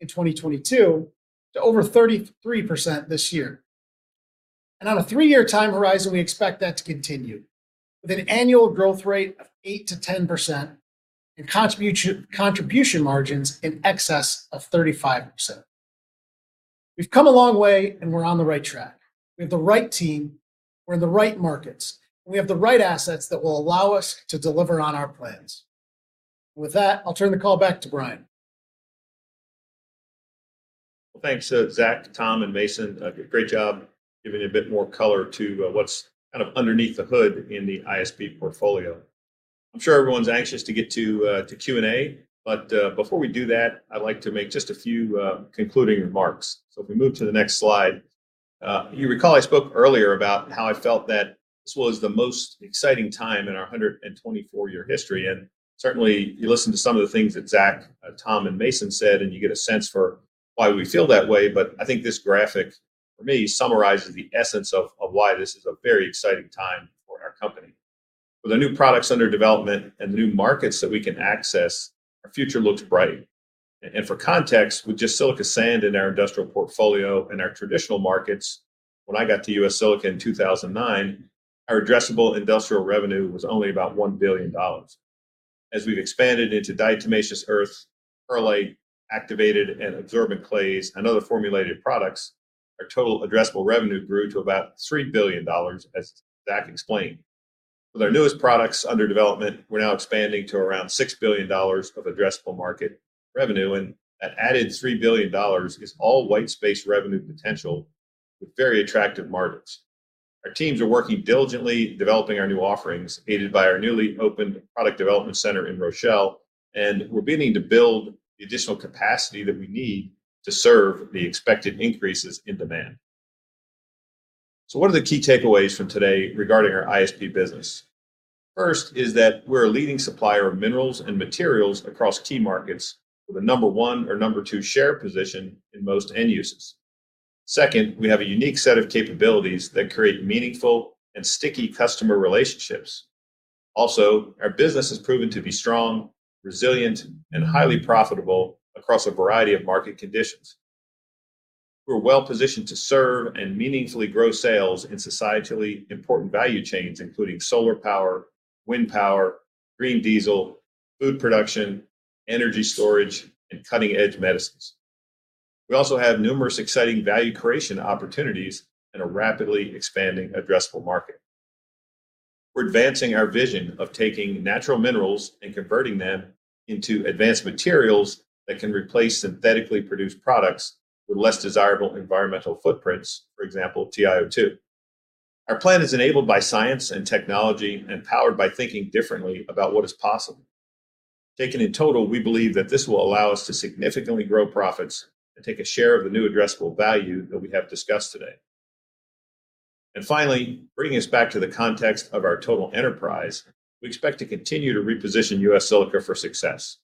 in 2022 to over 33% this year. And on a three-year time horizon, we expect that to continue with an annual growth rate of 8%-10% and contribution margins in excess of 35%. We've come a long way, and we're on the right track. We have the right team, we're in the right markets, and we have the right assets that will allow us to deliver on our plans. With that, I'll turn the call back to Brian. Well, thanks, Zach, Tom, and Mason. Great job giving a bit more color to what's kind of underneath the hood in the ISP portfolio. I'm sure everyone's anxious to get to Q&A, but before we do that, I'd like to make just a few concluding remarks. So if we move to the next slide, you recall I spoke earlier about how I felt that this was the most exciting time in our 124-year history, and certainly, you listen to some of the things that Zach, Tom, and Mason said, and you get a sense for why we feel that way. But I think this graphic, for me, summarizes the essence of why this is a very exciting time for our company. With the new products under development and the new markets that we can access, our future looks bright. For context, with just silica sand in our industrial portfolio and our traditional markets, when I got to U.S. Silica in 2009, our addressable industrial revenue was only about $1 billion. As we've expanded into diatomaceous earth, perlite, activated and absorbent clays, and other formulated products, our total addressable revenue grew to about $3 billion, as Zach explained. With our newest products under development, we're now expanding to around $6 billion of addressable market revenue, and that added $3 billion is all white space revenue potential with very attractive margins. Our teams are working diligently, developing our new offerings, aided by our newly opened product development center in Rochelle, and we're beginning to build the additional capacity that we need to serve the expected increases in demand. So what are the key takeaways from today regarding our ISP business? First, is that we're a leading supplier of minerals and materials across key markets, with a number one or number two share position in most end uses. Second, we have a unique set of capabilities that create meaningful and sticky customer relationships. Also, our business has proven to be strong, resilient, and highly profitable across a variety of market conditions. We're well-positioned to serve and meaningfully grow sales in societally important value chains, including solar power, wind power, green diesel, food production, energy storage, and cutting-edge medicines. We also have numerous exciting value creation opportunities in a rapidly expanding addressable market. We're advancing our vision of taking natural minerals and converting them into advanced materials that can replace synthetically produced products with less desirable environmental footprints, for example, TiO₂. Our plan is enabled by science and technology and powered by thinking differently about what is possible. Taken in total, we believe that this will allow us to significantly grow profits and take a share of the new addressable value that we have discussed today. And finally, bringing us back to the context of our total enterprise, we expect to continue to reposition U.S. Silica for success.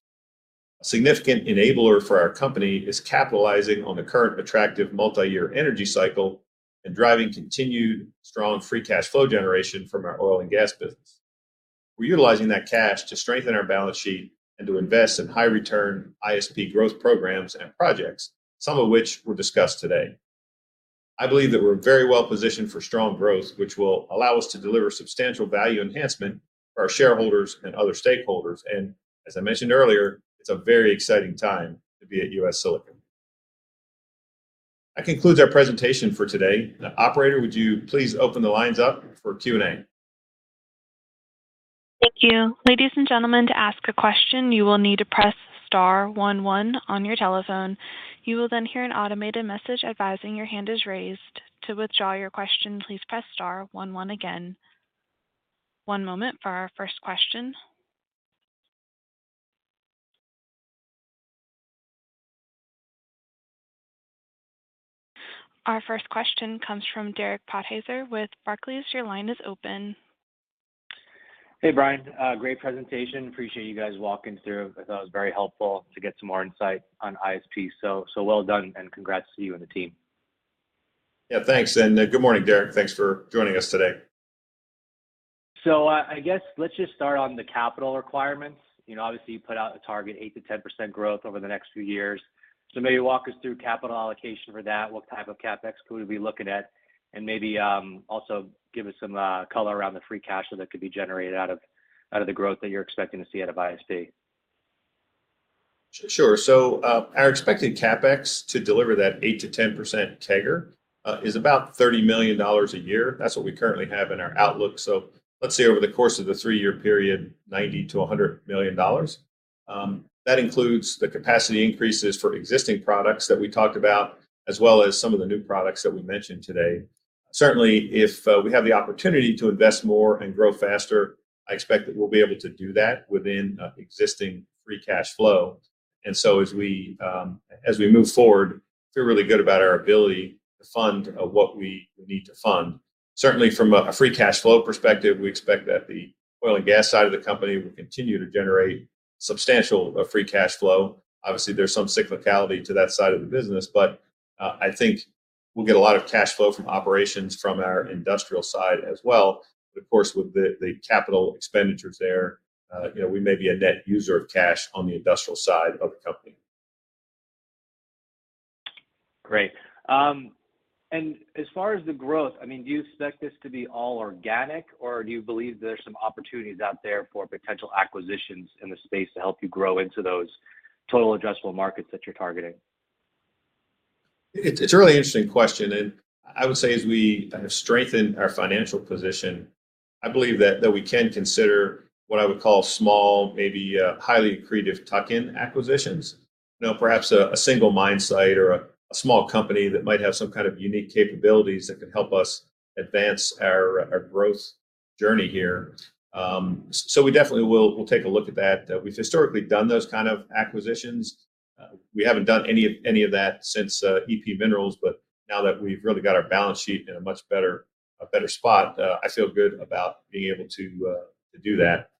A significant enabler for our company is capitalizing on the current attractive multi-year energy cycle and driving continued strong free cash flow generation from our oil and gas business. We're utilizing that cash to strengthen our balance sheet and to invest in high-return ISP growth programs and projects, some of which were discussed today. I believe that we're very well positioned for strong growth, which will allow us to deliver substantial value enhancement for our shareholders and other stakeholders, and as I mentioned earlier, it's a very exciting time to be at U.S. Silica. That concludes our presentation for today. Now, operator, would you please open the lines up for Q&A? Thank you. Ladies and gentlemen, to ask a question, you will need to press star one one on your telephone. You will then hear an automated message advising your hand is raised. To withdraw your question, please press star one one again. One moment for our first question. Our first question comes from Derek Podhaizer with Barclays. Your line is open. Hey, Bryan, great presentation. Appreciate you guys walking through. I thought it was very helpful to get some more insight on ISP, so well done, and congrats to you and the team. Yeah, thanks, and, good morning, Derek. Thanks for joining us today. So, I guess let's just start on the capital requirements. You know, obviously, you put out a target 8%-10% growth over the next few years. So maybe walk us through capital allocation for that. What type of CapEx could we be looking at? And maybe, also give us some color around the free cash flow that could be generated out of the growth that you're expecting to see out of ISP. Sure. So, our expected CapEx to deliver that 8%-10% CAGR is about $30 million a year. That's what we currently have in our outlook. So let's say, over the course of the three-year period, $90 million-$100 million. That includes the capacity increases for existing products that we talked about, as well as some of the new products that we mentioned today. Certainly, if we have the opportunity to invest more and grow faster, I expect that we'll be able to do that within existing free cash flow. And so as we as we move forward, feel really good about our ability to fund what we need to fund. Certainly, from a a free cash flow perspective, we expect that the oil and gas side of the company will continue to generate substantial free cash flow. Obviously, there's some cyclicality to that side of the business, but, I think we'll get a lot of cash flow from operations from our industrial side as well. But of course, with the capital expenditures there, you know, we may be a net user of cash on the industrial side of the company. Great. And as far as the growth, I mean, do you expect this to be all organic, or do you believe there are some opportunities out there for potential acquisitions in the space to help you grow into those total addressable markets that you're targeting? It's a really interesting question, and I would say as we kind of strengthen our financial position, I believe that we can consider what I would call small, maybe, highly accretive tuck-in acquisitions. You know, perhaps a single mine site or a small company that might have some kind of unique capabilities that can help us advance our growth journey here. So we definitely will we'll take a look at that. We've historically done those kind of acquisitions. We haven't done any of that since EP Minerals, but now that we've really got our balance sheet in a much better spot, I feel good about being able to do that.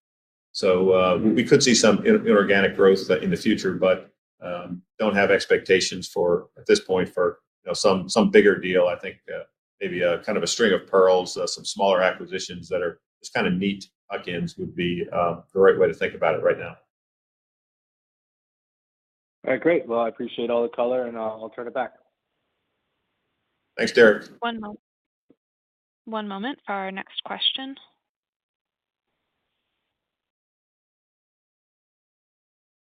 So, we could see some inorganic growth in the future, but don't have expectations for, at this point, you know, some bigger deal. I think, maybe a kind of a string of pearls, some smaller acquisitions that are just kind of neat tuck-ins would be the right way to think about it right now. All right, great. Well, I appreciate all the color, and I'll turn it back. Thanks, Derek. One moment for our next question.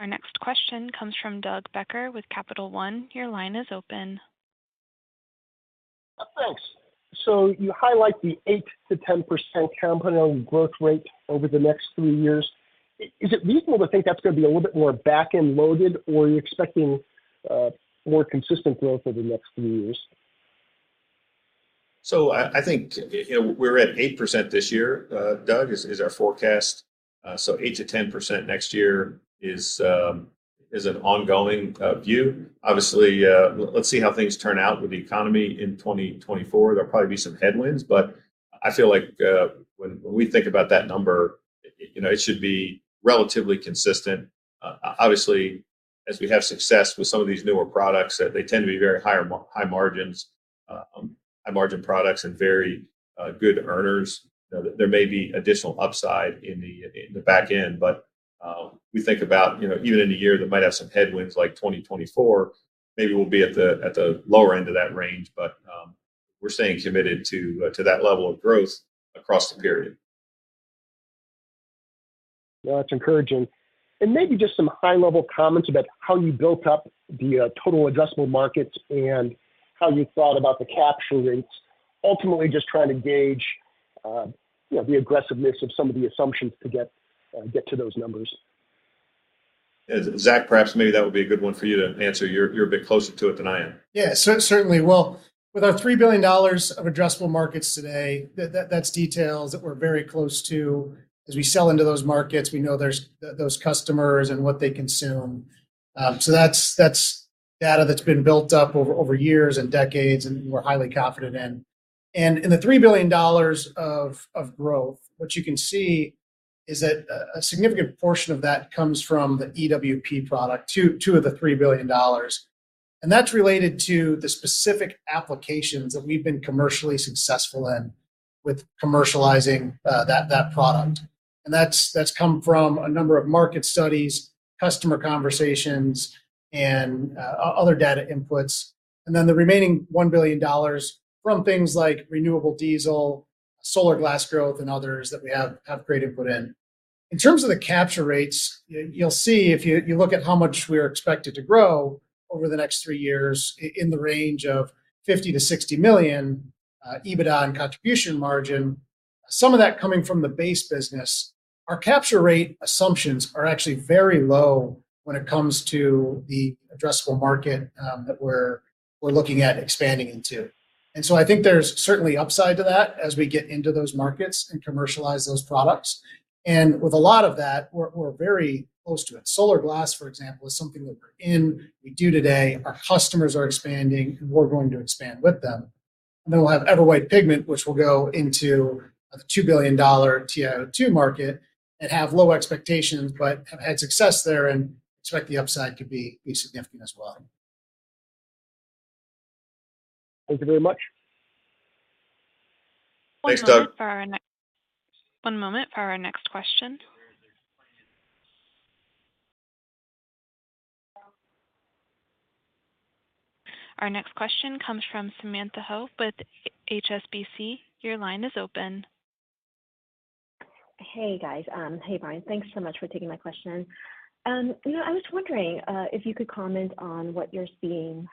Our next question comes from Doug Becker with Capital One. Your line is open. Thanks. So you highlight the 8%-10% CAGR growth rate over the next three years. Is it reasonable to think that's gonna be a little bit more back-end loaded, or are you expecting more consistent growth over the next few years? So I think, you know, we're at 8% this year, Doug, is our forecast. So 8%-10% next year is an ongoing view. Obviously, let's see how things turn out with the economy in 2024. There'll probably be some headwinds, but I feel like, when we think about that number, it, you know, it should be relatively consistent. Obviously, as we have success with some of these newer products, that they tend to be very high margins, high-margin products and very good earners. You know, there may be additional upside in the back end, but we think about, you know, even in a year that might have some headwinds, like 2024, maybe we'll be at the lower end of that range, but we're staying committed to that level of growth across the period. Well, that's encouraging. Maybe just some high-level comments about how you built up the total addressable markets and how you thought about the capture rates. Ultimately, just trying to gauge, you know, the aggressiveness of some of the assumptions to get to those numbers. Zach, perhaps maybe that would be a good one for you to answer. You're a bit closer to it than I am. Yeah, certainly. Well, with our $3 billion of addressable markets today, that's details that we're very close to. As we sell into those markets, we know there's those customers and what they consume. So that's data that's been built up over years and decades, and we're highly confident in. And in the $3 billion of growth, what you can see is that a significant portion of that comes from the EWP product, two of the $3 billion. And that's related to the specific applications that we've been commercially successful in with commercializing that product. And that's come from a number of market studies, customer conversations, and other data inputs, and then the remaining $1 billion from things like renewable diesel, solar glass growth, and others that we have great input in. In terms of the capture rates, you'll see, if you look at how much we are expected to grow over the next three years, in the range of $50 million-$60 million EBITDA and contribution margin, some of that coming from the base business. Our capture rate assumptions are actually very low when it comes to the addressable market that we're looking at expanding into. So I think there's certainly upside to that as we get into those markets and commercialize those products, and with a lot of that, we're very close to it. Solar glass, for example, is something that we're in, we do today. Our customers are expanding, and we're going to expand with them. And then we'll have EverWhite Pigment, which will go into a $2 billion TiO₂ market and have low expectations, but have had success there and expect the upside to be significant as well. Thank you very much. Thanks, Doug. One moment for our next question. Our next question comes from Samantha Hoh with HSBC. Your line is open. Hey, guys. Hey, Bryan. Thanks so much for taking my question. You know, I was wondering if you could comment on what you're seeing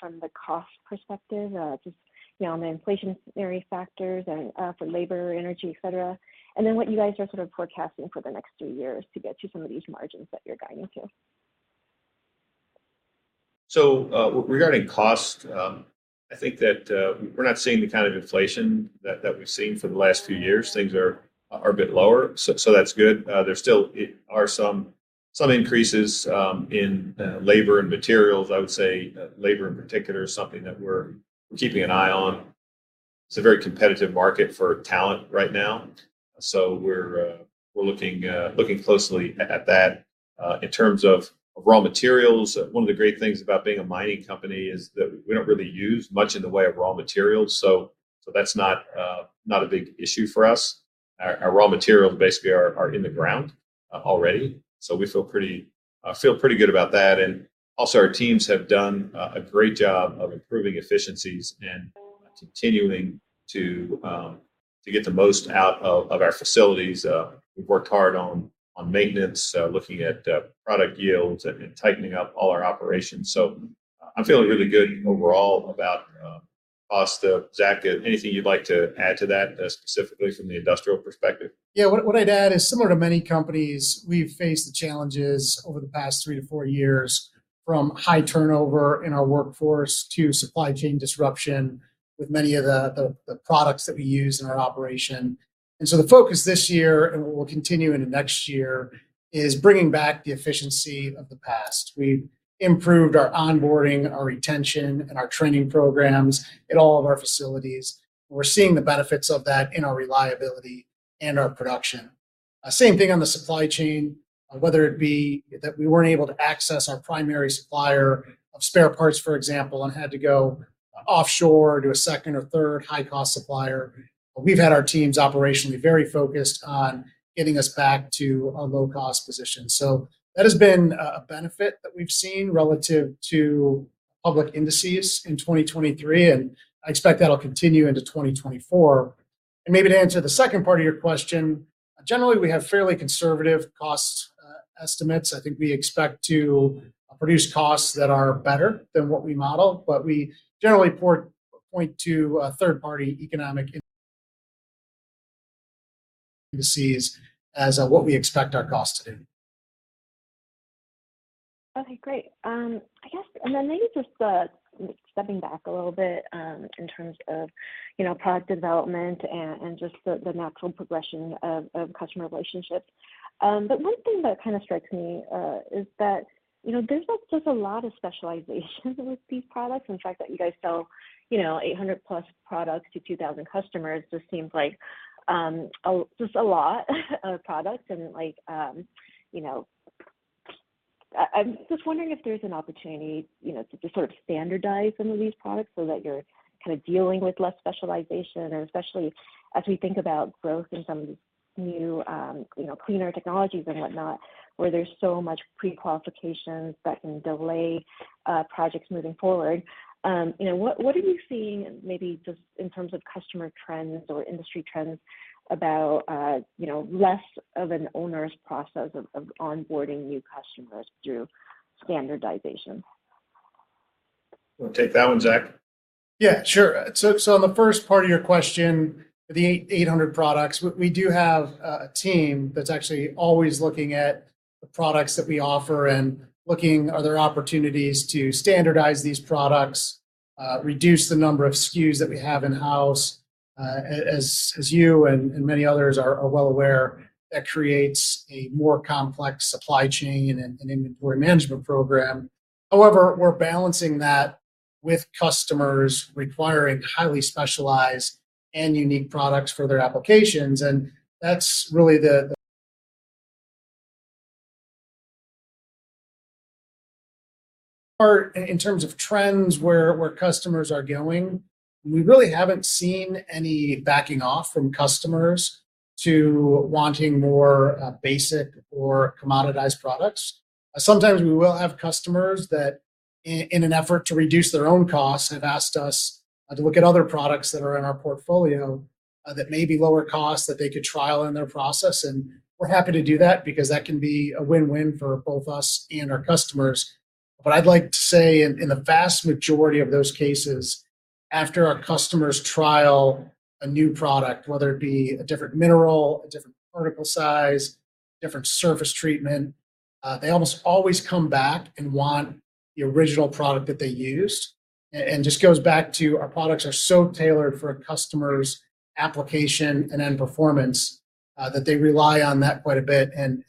from the cost perspective, just, you know, on the inflationary factors and for labor, energy, et cetera, and then what you guys are sort of forecasting for the next three years to get to some of these margins that you're guiding to. So, regarding cost, I think that we're not seeing the kind of inflation that we've seen for the last two years. Things are a bit lower, so that's good. There still are some increases in labor and materials. I would say, labor, in particular, is something that we're keeping an eye on. It's a very competitive market for talent right now, so we're looking closely at that. In terms of raw materials, one of the great things about being a mining company is that we don't really use much in the way of raw materials, so that's not a big issue for us. Our raw materials basically are in the ground already, so we feel pretty good about that. And also, our teams have done a great job of improving efficiencies and continuing to get the most out of our facilities. We've worked hard on maintenance, looking at product yields and tightening up all our operations. So I'm feeling really good overall about us. Zach, anything you'd like to add to that, specifically from the industrial perspective? Yeah. What I'd add is similar to many companies, we've faced the challenges over the past 3-4 years, from high turnover in our workforce to supply chain disruption with many of the products that we use in our operation. And so the focus this year, and we'll continue into next year, is bringing back the efficiency of the past. We've improved our onboarding, our retention, and our training programs at all of our facilities. We're seeing the benefits of that in our reliability and our production. Same thing on the supply chain, whether it be that we weren't able to access our primary supplier of spare parts, for example, and had to go offshore to a second or third high-cost supplier. We've had our teams operationally very focused on getting us back to a low-cost position. So that has been a benefit that we've seen relative to public indices in 2023, and I expect that'll continue into 2024. And maybe to answer the second part of your question, generally, we have fairly conservative cost estimates. I think we expect to produce costs that are better than what we modeled, but we generally point to a third-party economic indices as what we expect our costs to be. Okay, great. I guess, and then maybe just stepping back a little bit, in terms of, you know, product development and just the natural progression of customer relationships. But one thing that kind of strikes me is that, you know, there's just a lot of specializations with these products, and the fact that you guys sell, you know, 800+ products to 2,000 customers just seems like just a lot of products. And like, you know, I'm just wondering if there's an opportunity, you know, to just sort of standardize some of these products so that you're kind of dealing with less specialization, or especially as we think about growth in some of these new, you know, cleaner technologies and whatnot, where there's so much pre-qualification that can delay projects moving forward. You know, what are you seeing, maybe just in terms of customer trends or industry trends about, you know, less of an onerous process of onboarding new customers through standardization? You want to take that one, Zach? Yeah, sure. So on the first part of your question, the 800 products, we do have a team that's actually always looking at the products that we offer and looking are there opportunities to standardize these products, reduce the number of SKUs that we have in-house. As you and many others are well aware, that creates a more complex supply chain and inventory management program. However, we're balancing that with customers requiring highly specialized and unique products for their applications, and that's really the part in terms of trends where customers are going. We really haven't seen any backing off from customers to wanting more basic or commoditized products. Sometimes we will have customers that in an effort to reduce their own costs, have asked us to look at other products that are in our portfolio that may be lower cost, that they could trial in their process, and we're happy to do that because that can be a win-win for both us and our customers. But I'd like to say in the vast majority of those cases, after our customers trial a new product, whether it be a different mineral, a different particle size, different surface treatment, they almost always come back and want the original product that they used. And just goes back to our products are so tailored for a customer's application and end performance, that they rely on that quite a bit and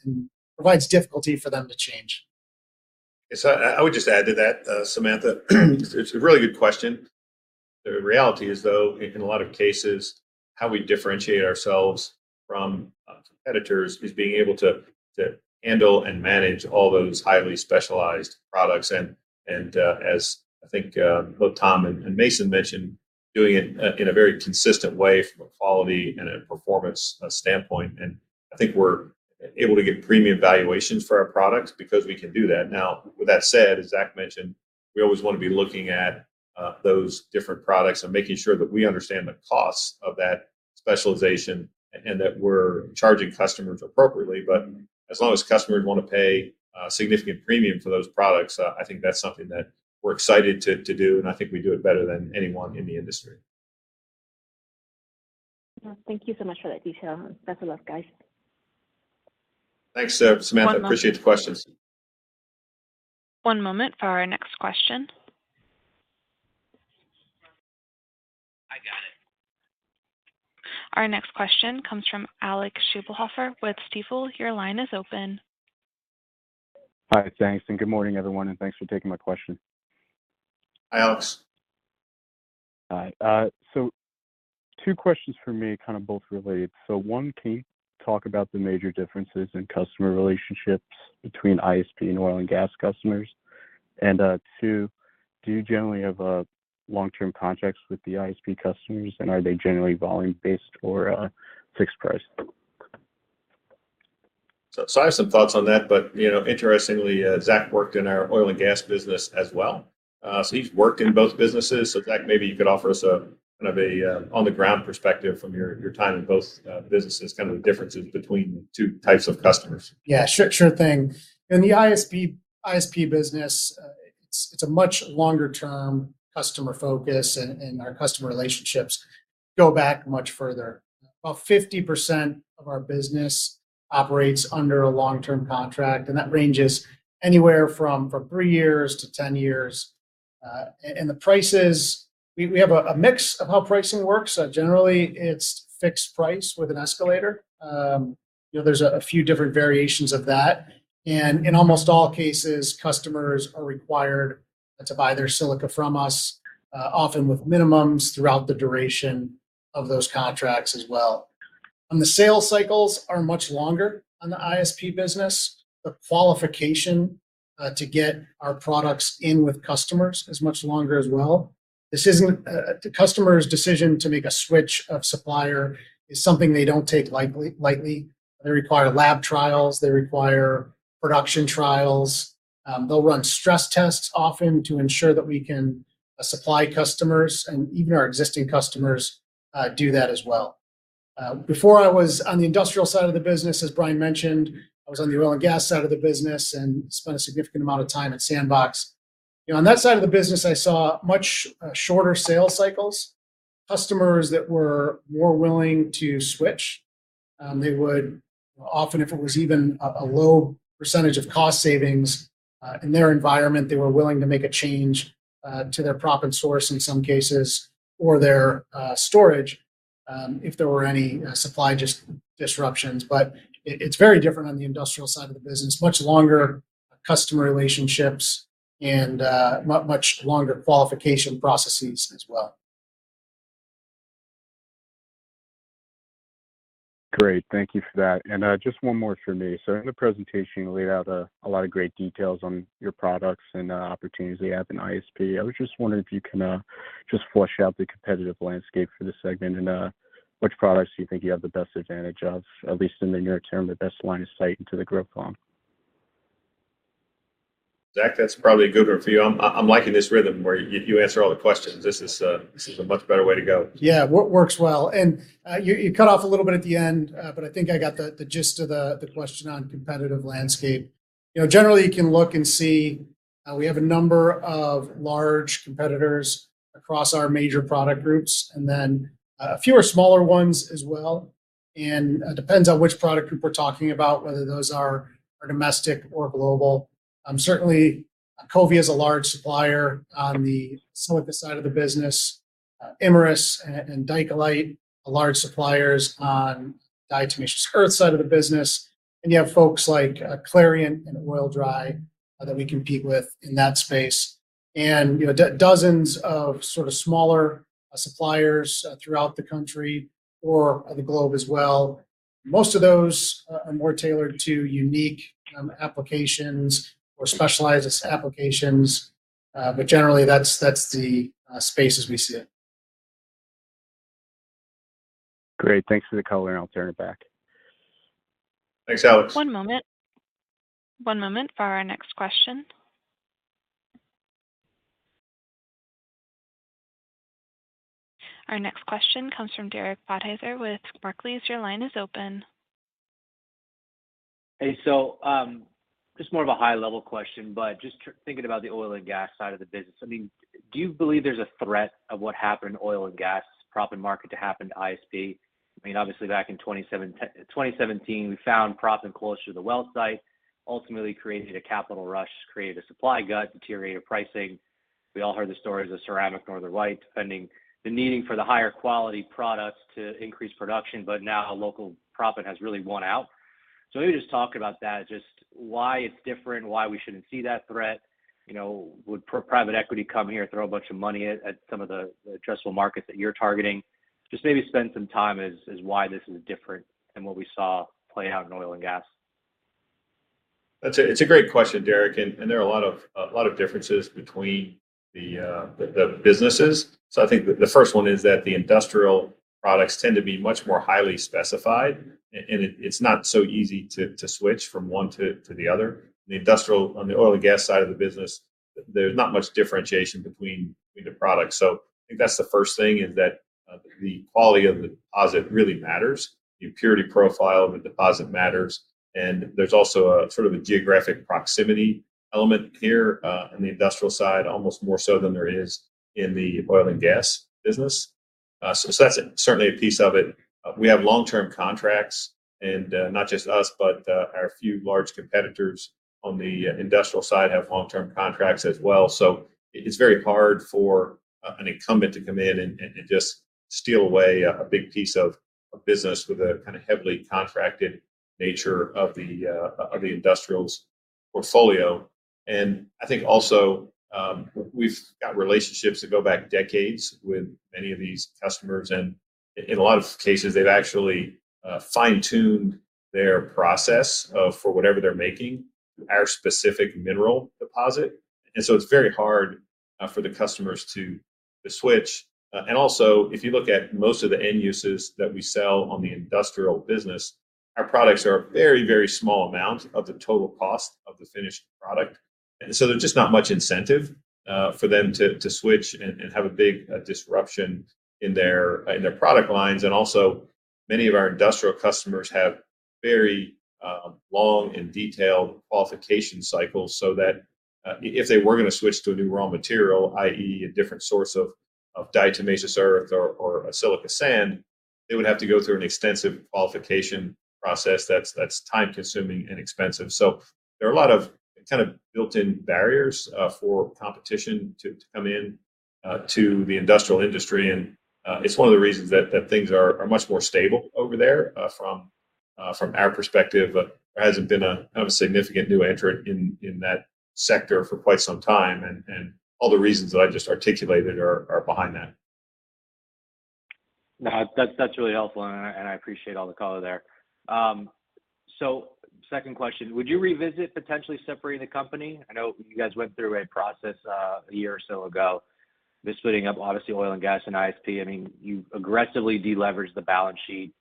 provides difficulty for them to change. So I, I would just add to that, Samantha, it's a really good question. The reality is, though, in a lot of cases, how we differentiate ourselves from competitors is being able to, to handle and manage all those highly specialized products. And, and, as I think, both Tom and, and Mason mentioned, doing it, in a very consistent way from a quality and a performance standpoint. And I think we're able to get premium valuations for our products because we can do that. Now, with that said, as Zach mentioned, we always want to be looking at, those different products and making sure that we understand the costs of that specialization and that we're charging customers appropriately. But as long as customers want to pay a significant premium for those products, I think that's something that we're excited to do, and I think we do it better than anyone in the industry. Thank you so much for that detail. Best of luck, guys. Thanks, Samantha. Appreciate the questions. One moment for our next question. I got it. Our next question comes from Alec Scheibelhoffer with Stifel. Your line is open. Hi, thanks, and good morning, everyone, and thanks for taking my question. Hi, Alec. Hi. So two questions for me, kind of both related. One, can you talk about the major differences in customer relationships between ISP and oil and gas customers? And, two, do you generally have long-term contracts with the ISP customers, and are they generally volume-based or fixed price? So, so I have some thoughts on that, but, you know, interestingly, Zach worked in our oil and gas business as well. So he's worked in both businesses. So Zach, maybe you could offer us a kind of a on-the-ground perspective from your, your time in both businesses, kind of the differences between two types of customers. Yeah, sure, sure thing. In the ISP, ISP business, it's a much longer-term customer focus, and our customer relationships go back much further. About 50% of our business operates under a long-term contract, and that ranges anywhere from three years to 10 years. And the prices, we have a mix of how pricing works. Generally, it's fixed price with an escalator. You know, there's a few different variations of that, and in almost all cases, customers are required to buy their silica from us, often with minimums throughout the duration of those contracts as well. The sales cycles are much longer on the ISP business. The qualification to get our products in with customers is much longer as well. This isn't the customer's decision to make a switch of supplier is something they don't take lightly. They require lab trials, they require production trials. They'll run stress tests often to ensure that we can supply customers, and even our existing customers do that as well. Before I was on the industrial side of the business, as Brian mentioned, I was on the oil and gas side of the business and spent a significant amount of time at Sandbox. You know, on that side of the business, I saw much shorter sales cycles, customers that were more willing to switch. They would often if it was even a low percentage of cost savings in their environment, they were willing to make a change to their proppant source in some cases, or their storage, if there were any supply disruptions. But it's very different on the industrial side of the business, much longer customer relationships and much longer qualification processes as well. Great. Thank you for that. And, just one more for me. So in the presentation, you laid out a lot of great details on your products and, opportunities they have in ISP. I was just wondering if you can, just flesh out the competitive landscape for this segment and, which products do you think you have the best advantage of, at least in the near term, the best line of sight into the growth on? Zach, that's probably a good one for you. I'm, I'm liking this rhythm where you, you answer all the questions. This is, this is a much better way to go. Yeah, works well. And, you cut off a little bit at the end, but I think I got the gist of the question on competitive landscape. You know, generally, you can look and see, we have a number of large competitors across our major product groups, and then a fewer smaller ones as well. And, depends on which product group we're talking about, whether those are domestic or global. Certainly, Covia is a large supplier on the silica side of the business. Imerys and Dicalite are large suppliers on diatomaceous earth side of the business. And you have folks like, Clariant and Oil-Dri that we compete with in that space. And, you know, dozens of sort of smaller suppliers throughout the country or the globe as well. Most of those are more tailored to unique, applications or specialized applications, but generally, that's, that's the, space as we see it. Great. Thanks for the color, and I'll turn it back. Thanks, Alec. One moment. One moment for our next question. Our next question comes from Derek Podhaizer with Barclays. Your line is open. Hey, so, just more of a high-level question, but just thinking about the oil and gas side of the business, I mean, do you believe there's a threat of what happened in oil and gas proppant market to happen to ISP? I mean, obviously back in 2017, we found proppant closer to the well site, ultimately creating a capital rush, created a supply glut, deteriorated pricing. We all heard the stories of ceramic Northern White, depending on the need for the higher quality products to increase production, but now a local proppant has really won out. So maybe just talk about that, just why it's different, why we shouldn't see that threat. You know, would private equity come here, throw a bunch of money at some of the addressable markets that you're targeting? Just maybe spend some time as to why this is different than what we saw play out in oil and gas. That's a great question, Derek, and there are a lot of differences between the businesses. So I think the first one is that the industrial products tend to be much more highly specified, and it's not so easy to switch from one to the other. The industrial, on the oil and gas side of the business, there's not much differentiation between the products. So I think that's the first thing, is that the quality of the deposit really matters. The purity profile of the deposit matters, and there's also a sort of a geographic proximity element here, in the industrial side, almost more so than there is in the oil and gas business. So that's certainly a piece of it. We have long-term contracts, and not just us, but our few large competitors on the industrial side have long-term contracts as well. So it's very hard for an incumbent to come in and just steal away a big piece of business with a kinda heavily contracted nature of the industrials portfolio. And I think also, we've got relationships that go back decades with many of these customers, and in a lot of cases, they've actually fine-tuned their process for whatever they're making, our specific mineral deposit. And so it's very hard for the customers to the switch. And also, if you look at most of the end uses that we sell on the industrial business, our products are a very, very small amount of the total cost of the finished product. And so there's just not much incentive for them to switch and have a big disruption in their product lines. And also many of our industrial customers have very long and detailed qualification cycles, so that if they were gonna switch to a new raw material, i.e., a different source of diatomaceous earth or a silica sand, they would have to go through an extensive qualification process that's time-consuming and expensive. So there are a lot of kind of built-in barriers for competition to come in to the industrial industry. And it's one of the reasons that things are much more stable over there. From our perspective, there hasn't been a significant new entrant in that sector for quite some time, and all the reasons that I just articulated are behind that. No, that's really helpful, and I appreciate all the color there. So second question: would you revisit potentially separating the company? I know you guys went through a process a year or so ago, just splitting up, obviously, Oil and Gas and ISP. I mean, you aggressively deleveraged the balance sheet.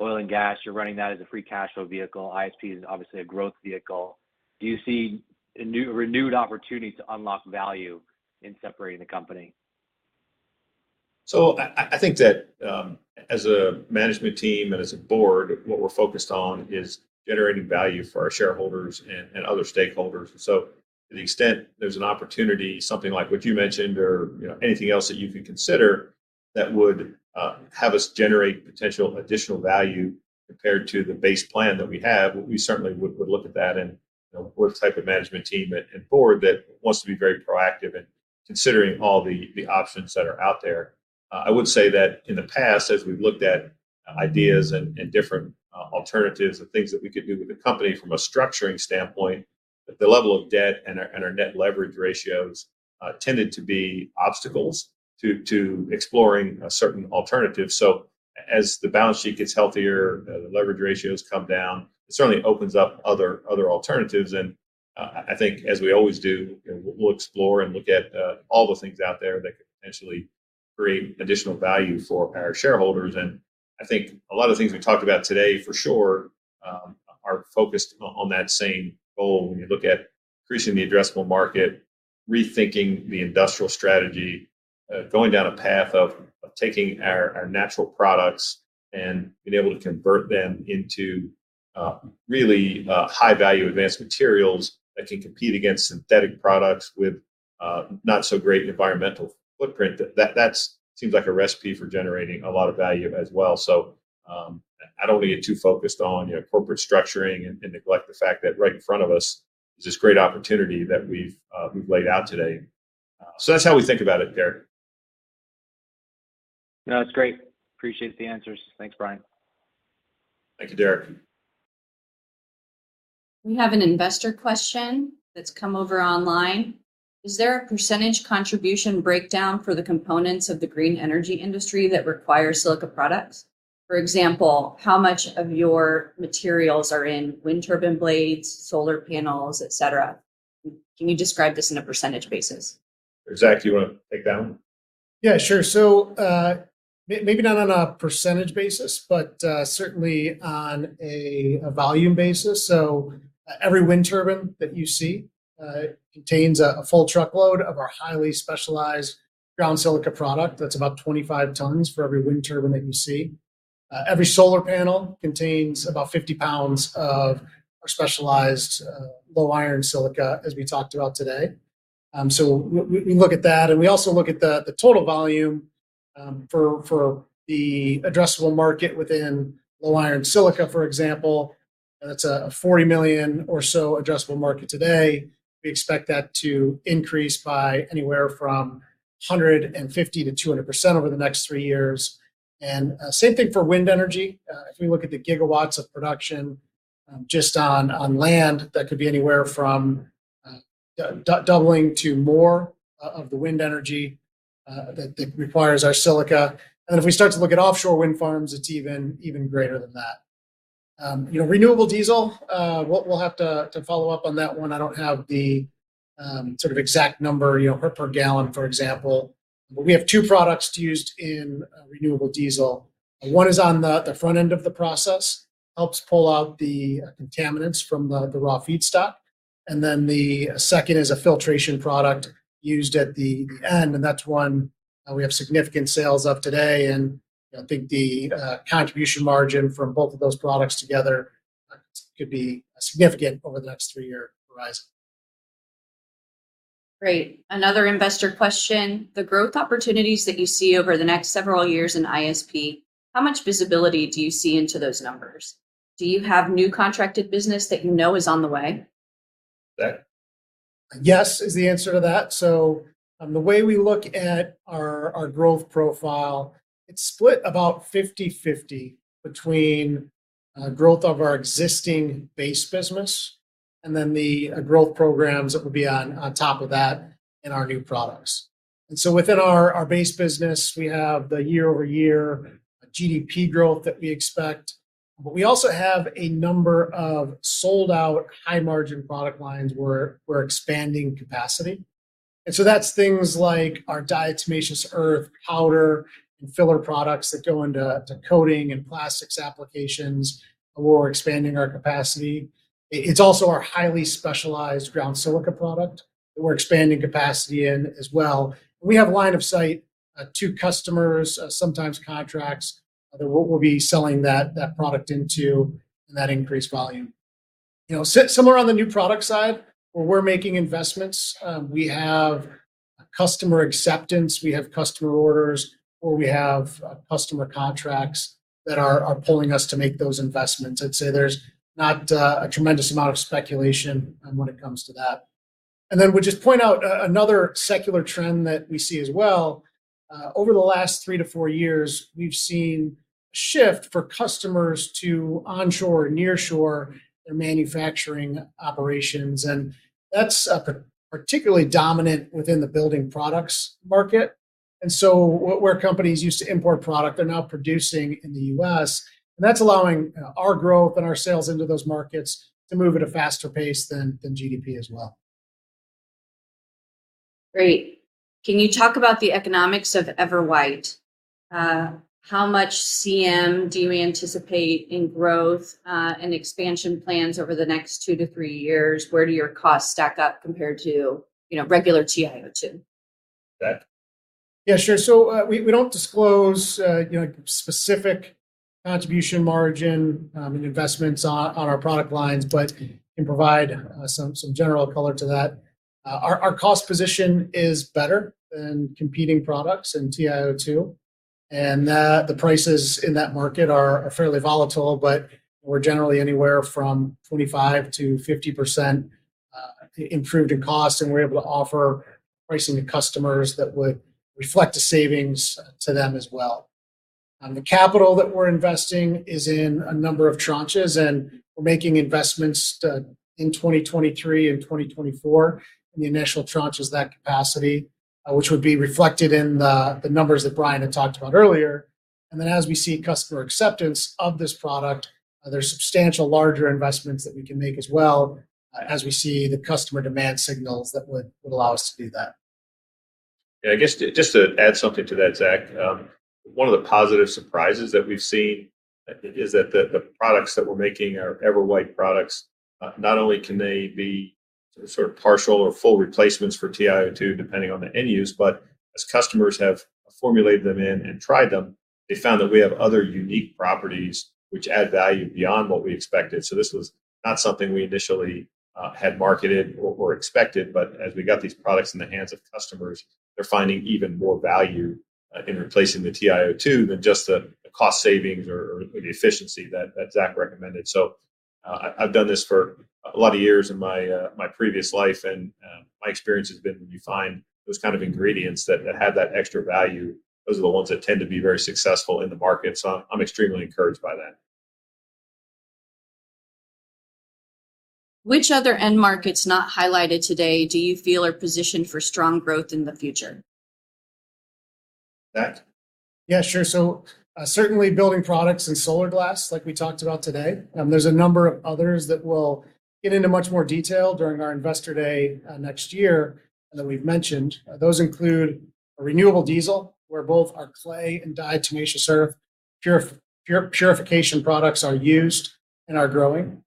Oil and Gas, you're running that as a free cash flow vehicle. ISP is obviously a growth vehicle. Do you see a renewed opportunity to unlock value in separating the company? So I think that, as a management team and as a board, what we're focused on is generating value for our shareholders and other stakeholders. So to the extent there's an opportunity, something like what you mentioned or, you know, anything else that you can consider, that would have us generate potential additional value compared to the base plan that we have, we certainly would look at that. And, you know, we're the type of management team and board that wants to be very proactive in considering all the options that are out there. I would say that in the past, as we've looked at ideas and different alternatives and things that we could do with the company from a structuring standpoint, the level of debt and our net leverage ratios tended to be obstacles to exploring certain alternatives. So as the balance sheet gets healthier, the net leverage ratios come down, it certainly opens up other alternatives. And I think as we always do, you know, we'll explore and look at all the things out there that could potentially create additional value for our shareholders. And I think a lot of the things we talked about today, for sure, are focused on that same goal. When you look at increasing the addressable market, rethinking the industrial strategy, going down a path of taking our natural products and being able to convert them into really high-value advanced materials that can compete against synthetic products with not-so-great environmental footprint, that seems like a recipe for generating a lot of value as well. So, I don't want to get too focused on, you know, corporate structuring and neglect the fact that right in front of us is this great opportunity that we've laid out today. So that's how we think about it, Derek. No, that's great. Appreciate the answers. Thanks, Bryan. Thank you, Derek. We have an investor question that's come over online. Is there a percentage contribution breakdown for the components of the green energy industry that require silica products? For example, how much of your materials are in wind turbine blades, solar panels, etc? Can you describe this in a percentage basis? Zach, do you wanna take that one? Yeah, sure. So, maybe not on a percentage basis, but certainly on a volume basis. So every wind turbine that you see contains a full truckload of our highly specialized ground silica product. That's about 25 tons for every wind turbine that you see. Every solar panel contains about 50 pounds of our specialized low iron silica, as we talked about today. So we look at that, and we also look at the total volume for the addressable market within low iron silica, for example. That's a 40 million or so addressable market today. We expect that to increase by anywhere from 150%-200% over the next three years. And same thing for wind energy. If we look at the gigawatts of production, just on land, that could be anywhere from doubling to more of the wind energy that requires our silica. And if we start to look at offshore wind farms, it's even greater than that. You know, renewable diesel, we'll have to follow up on that one. I don't have the sort of exact number, you know, per gallon, for example. But we have two products used in renewable diesel. One is on the front end of the process, helps pull out the contaminants from the raw feedstock, and then the second is a filtration product used at the end, and that's one we have significant sales of today. I think the contribution margin from both of those products together could be significant over the next three-year horizon. Great. Another investor question: the growth opportunities that you see over the next several years in ISP, how much visibility do you see into those numbers? Do you have new contracted business that you know is on the way? Zach? Yes, is the answer to that. So, the way we look at our growth profile, it's split about 50/50 between growth of our existing base business and then the growth programs that would be on top of that in our new products. And so within our base business, we have the year-over-year GDP growth that we expect. But we also have a number of sold-out, high-margin product lines where we're expanding capacity. And so that's things like our diatomaceous earth, powder, and filler products that go into coating and plastics applications, where we're expanding our capacity. It's also our highly specialized ground silica product that we're expanding capacity in as well. We have line of sight to customers, sometimes contracts, that we'll be selling that product into, and that increased volume. You know, somewhere on the new product side, where we're making investments, we have customer acceptance, we have customer orders, or we have customer contracts that are pulling us to make those investments. I'd say there's not a tremendous amount of speculation on when it comes to that. And then we'll just point out another secular trend that we see as well. Over the last three to four years, we've seen a shift for customers to onshore, near shore their manufacturing operations, and that's particularly dominant within the building products market. And so where companies used to import product, they're now producing in the U.S., and that's allowing our growth and our sales into those markets to move at a faster pace than GDP as well. Great. Can you talk about the economics of EverWhite? How much CM do you anticipate in growth, and expansion plans over the next two to three years? Where do your costs stack up compared to, you know, regular TiO₂? Zach? Yeah, sure. So, we don't disclose, you know, specific contribution margin and investments on our product lines, but can provide some general color to that. Our cost position is better than competing products in TiO2, and the prices in that market are fairly volatile. But we're generally anywhere from 25%-50% improved in cost, and we're able to offer pricing to customers that would reflect a savings to them as well. And the capital that we're investing is in a number of tranches, and we're making investments in 2023 and 2024. And the initial tranche is that capacity, which would be reflected in the numbers that Bryan had talked about earlier. And then, as we see customer acceptance of this product, there are substantial, larger investments that we can make as well, as we see the customer demand signals that would allow us to do that. Yeah, I guess, just to add something to that, Zach. One of the positive surprises that we've seen is that the products that we're making, our EverWhite products, not only can they be sort of partial or full replacements for TiO₂, depending on the end use, but as customers have formulated them in and tried them, they found that we have other unique properties which add value beyond what we expected. So this was not something we initially had marketed or expected, but as we got these products in the hands of customers, they're finding even more value in replacing the TiO₂ than just the cost savings or the efficiency that Zach recommended. So I, I've done this for a lot of years in my, my previous life and, my experience has been when you find those kind of ingredients that, that have that extra value, those are the ones that tend to be very successful in the market. So I'm, I'm extremely encouraged by that. Which other end markets not highlighted today do you feel are positioned for strong growth in the future? Zach? Yeah, sure. So, certainly building products and solar glass, like we talked about today. There's a number of others that we'll get into much more detail during our Investor Day next year than we've mentioned. Those include renewable diesel, where both our clay and diatomaceous earth purification products are used and are growing.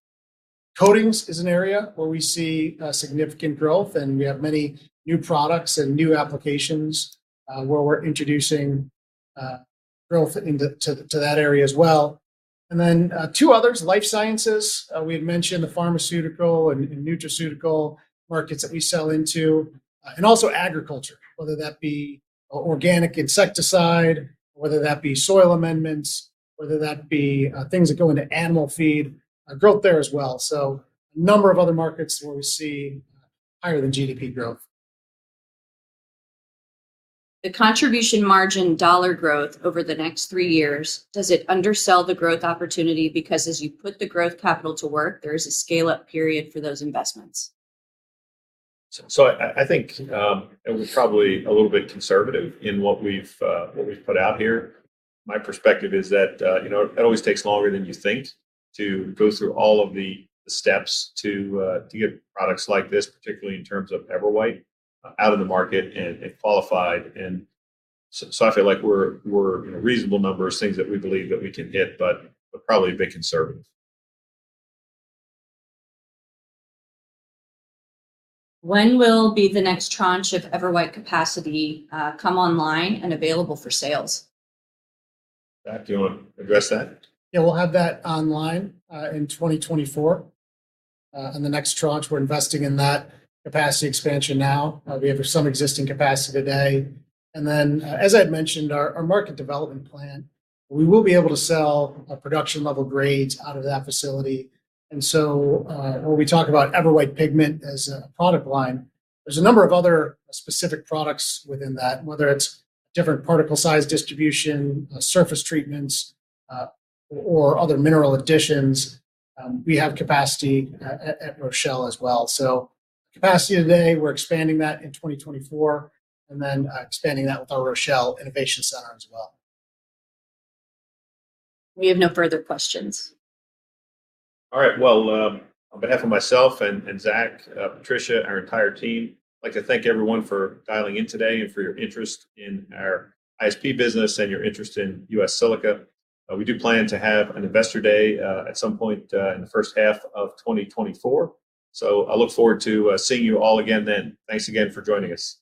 Coatings is an area where we see significant growth, and we have many new products and new applications where we're introducing growth into that area as well. And then two others, life sciences. We've mentioned the pharmaceutical and nutraceutical markets that we sell into, and also agriculture, whether that be organic insecticide, whether that be soil amendments, whether that be things that go into animal feed, growth there as well. A number of other markets where we see higher than GDP growth. The contribution margin dollar growth over the next three years, does it undersell the growth opportunity? Because as you put the growth capital to work, there is a scale-up period for those investments. I think it was probably a little bit conservative in what we've put out here. My perspective is that, you know, it always takes longer than you think to go through all of the steps to get products like this, particularly in terms of EverWhite, out of the market and qualified. So I feel like we're in a reasonable number of things that we believe that we can hit, but probably a bit conservative. When will be the next tranche of EverWhite capacity come online and available for sales? Zach, do you want to address that? Yeah, we'll have that online in 2024. In the next tranche, we're investing in that capacity expansion now. We have some existing capacity today, and then, as I've mentioned, our market development plan, we will be able to sell production level grades out of that facility. And so, when we talk about EverWhite Pigment as a product line, there's a number of other specific products within that, whether it's different particle size distribution, surface treatments, or other mineral additions. We have capacity at Rochelle as well. So capacity today, we're expanding that in 2024, and then, expanding that with our Rochelle Innovation Center as well. We have no further questions. All right. Well, on behalf of myself and Zach and Patricia, our entire team, I'd like to thank everyone for dialing in today and for your interest in our ISP business and your interest in U.S. Silica. We do plan to have an Investor Day, at some point, in the first half of 2024. So I look forward to seeing you all again then. Thanks again for joining us.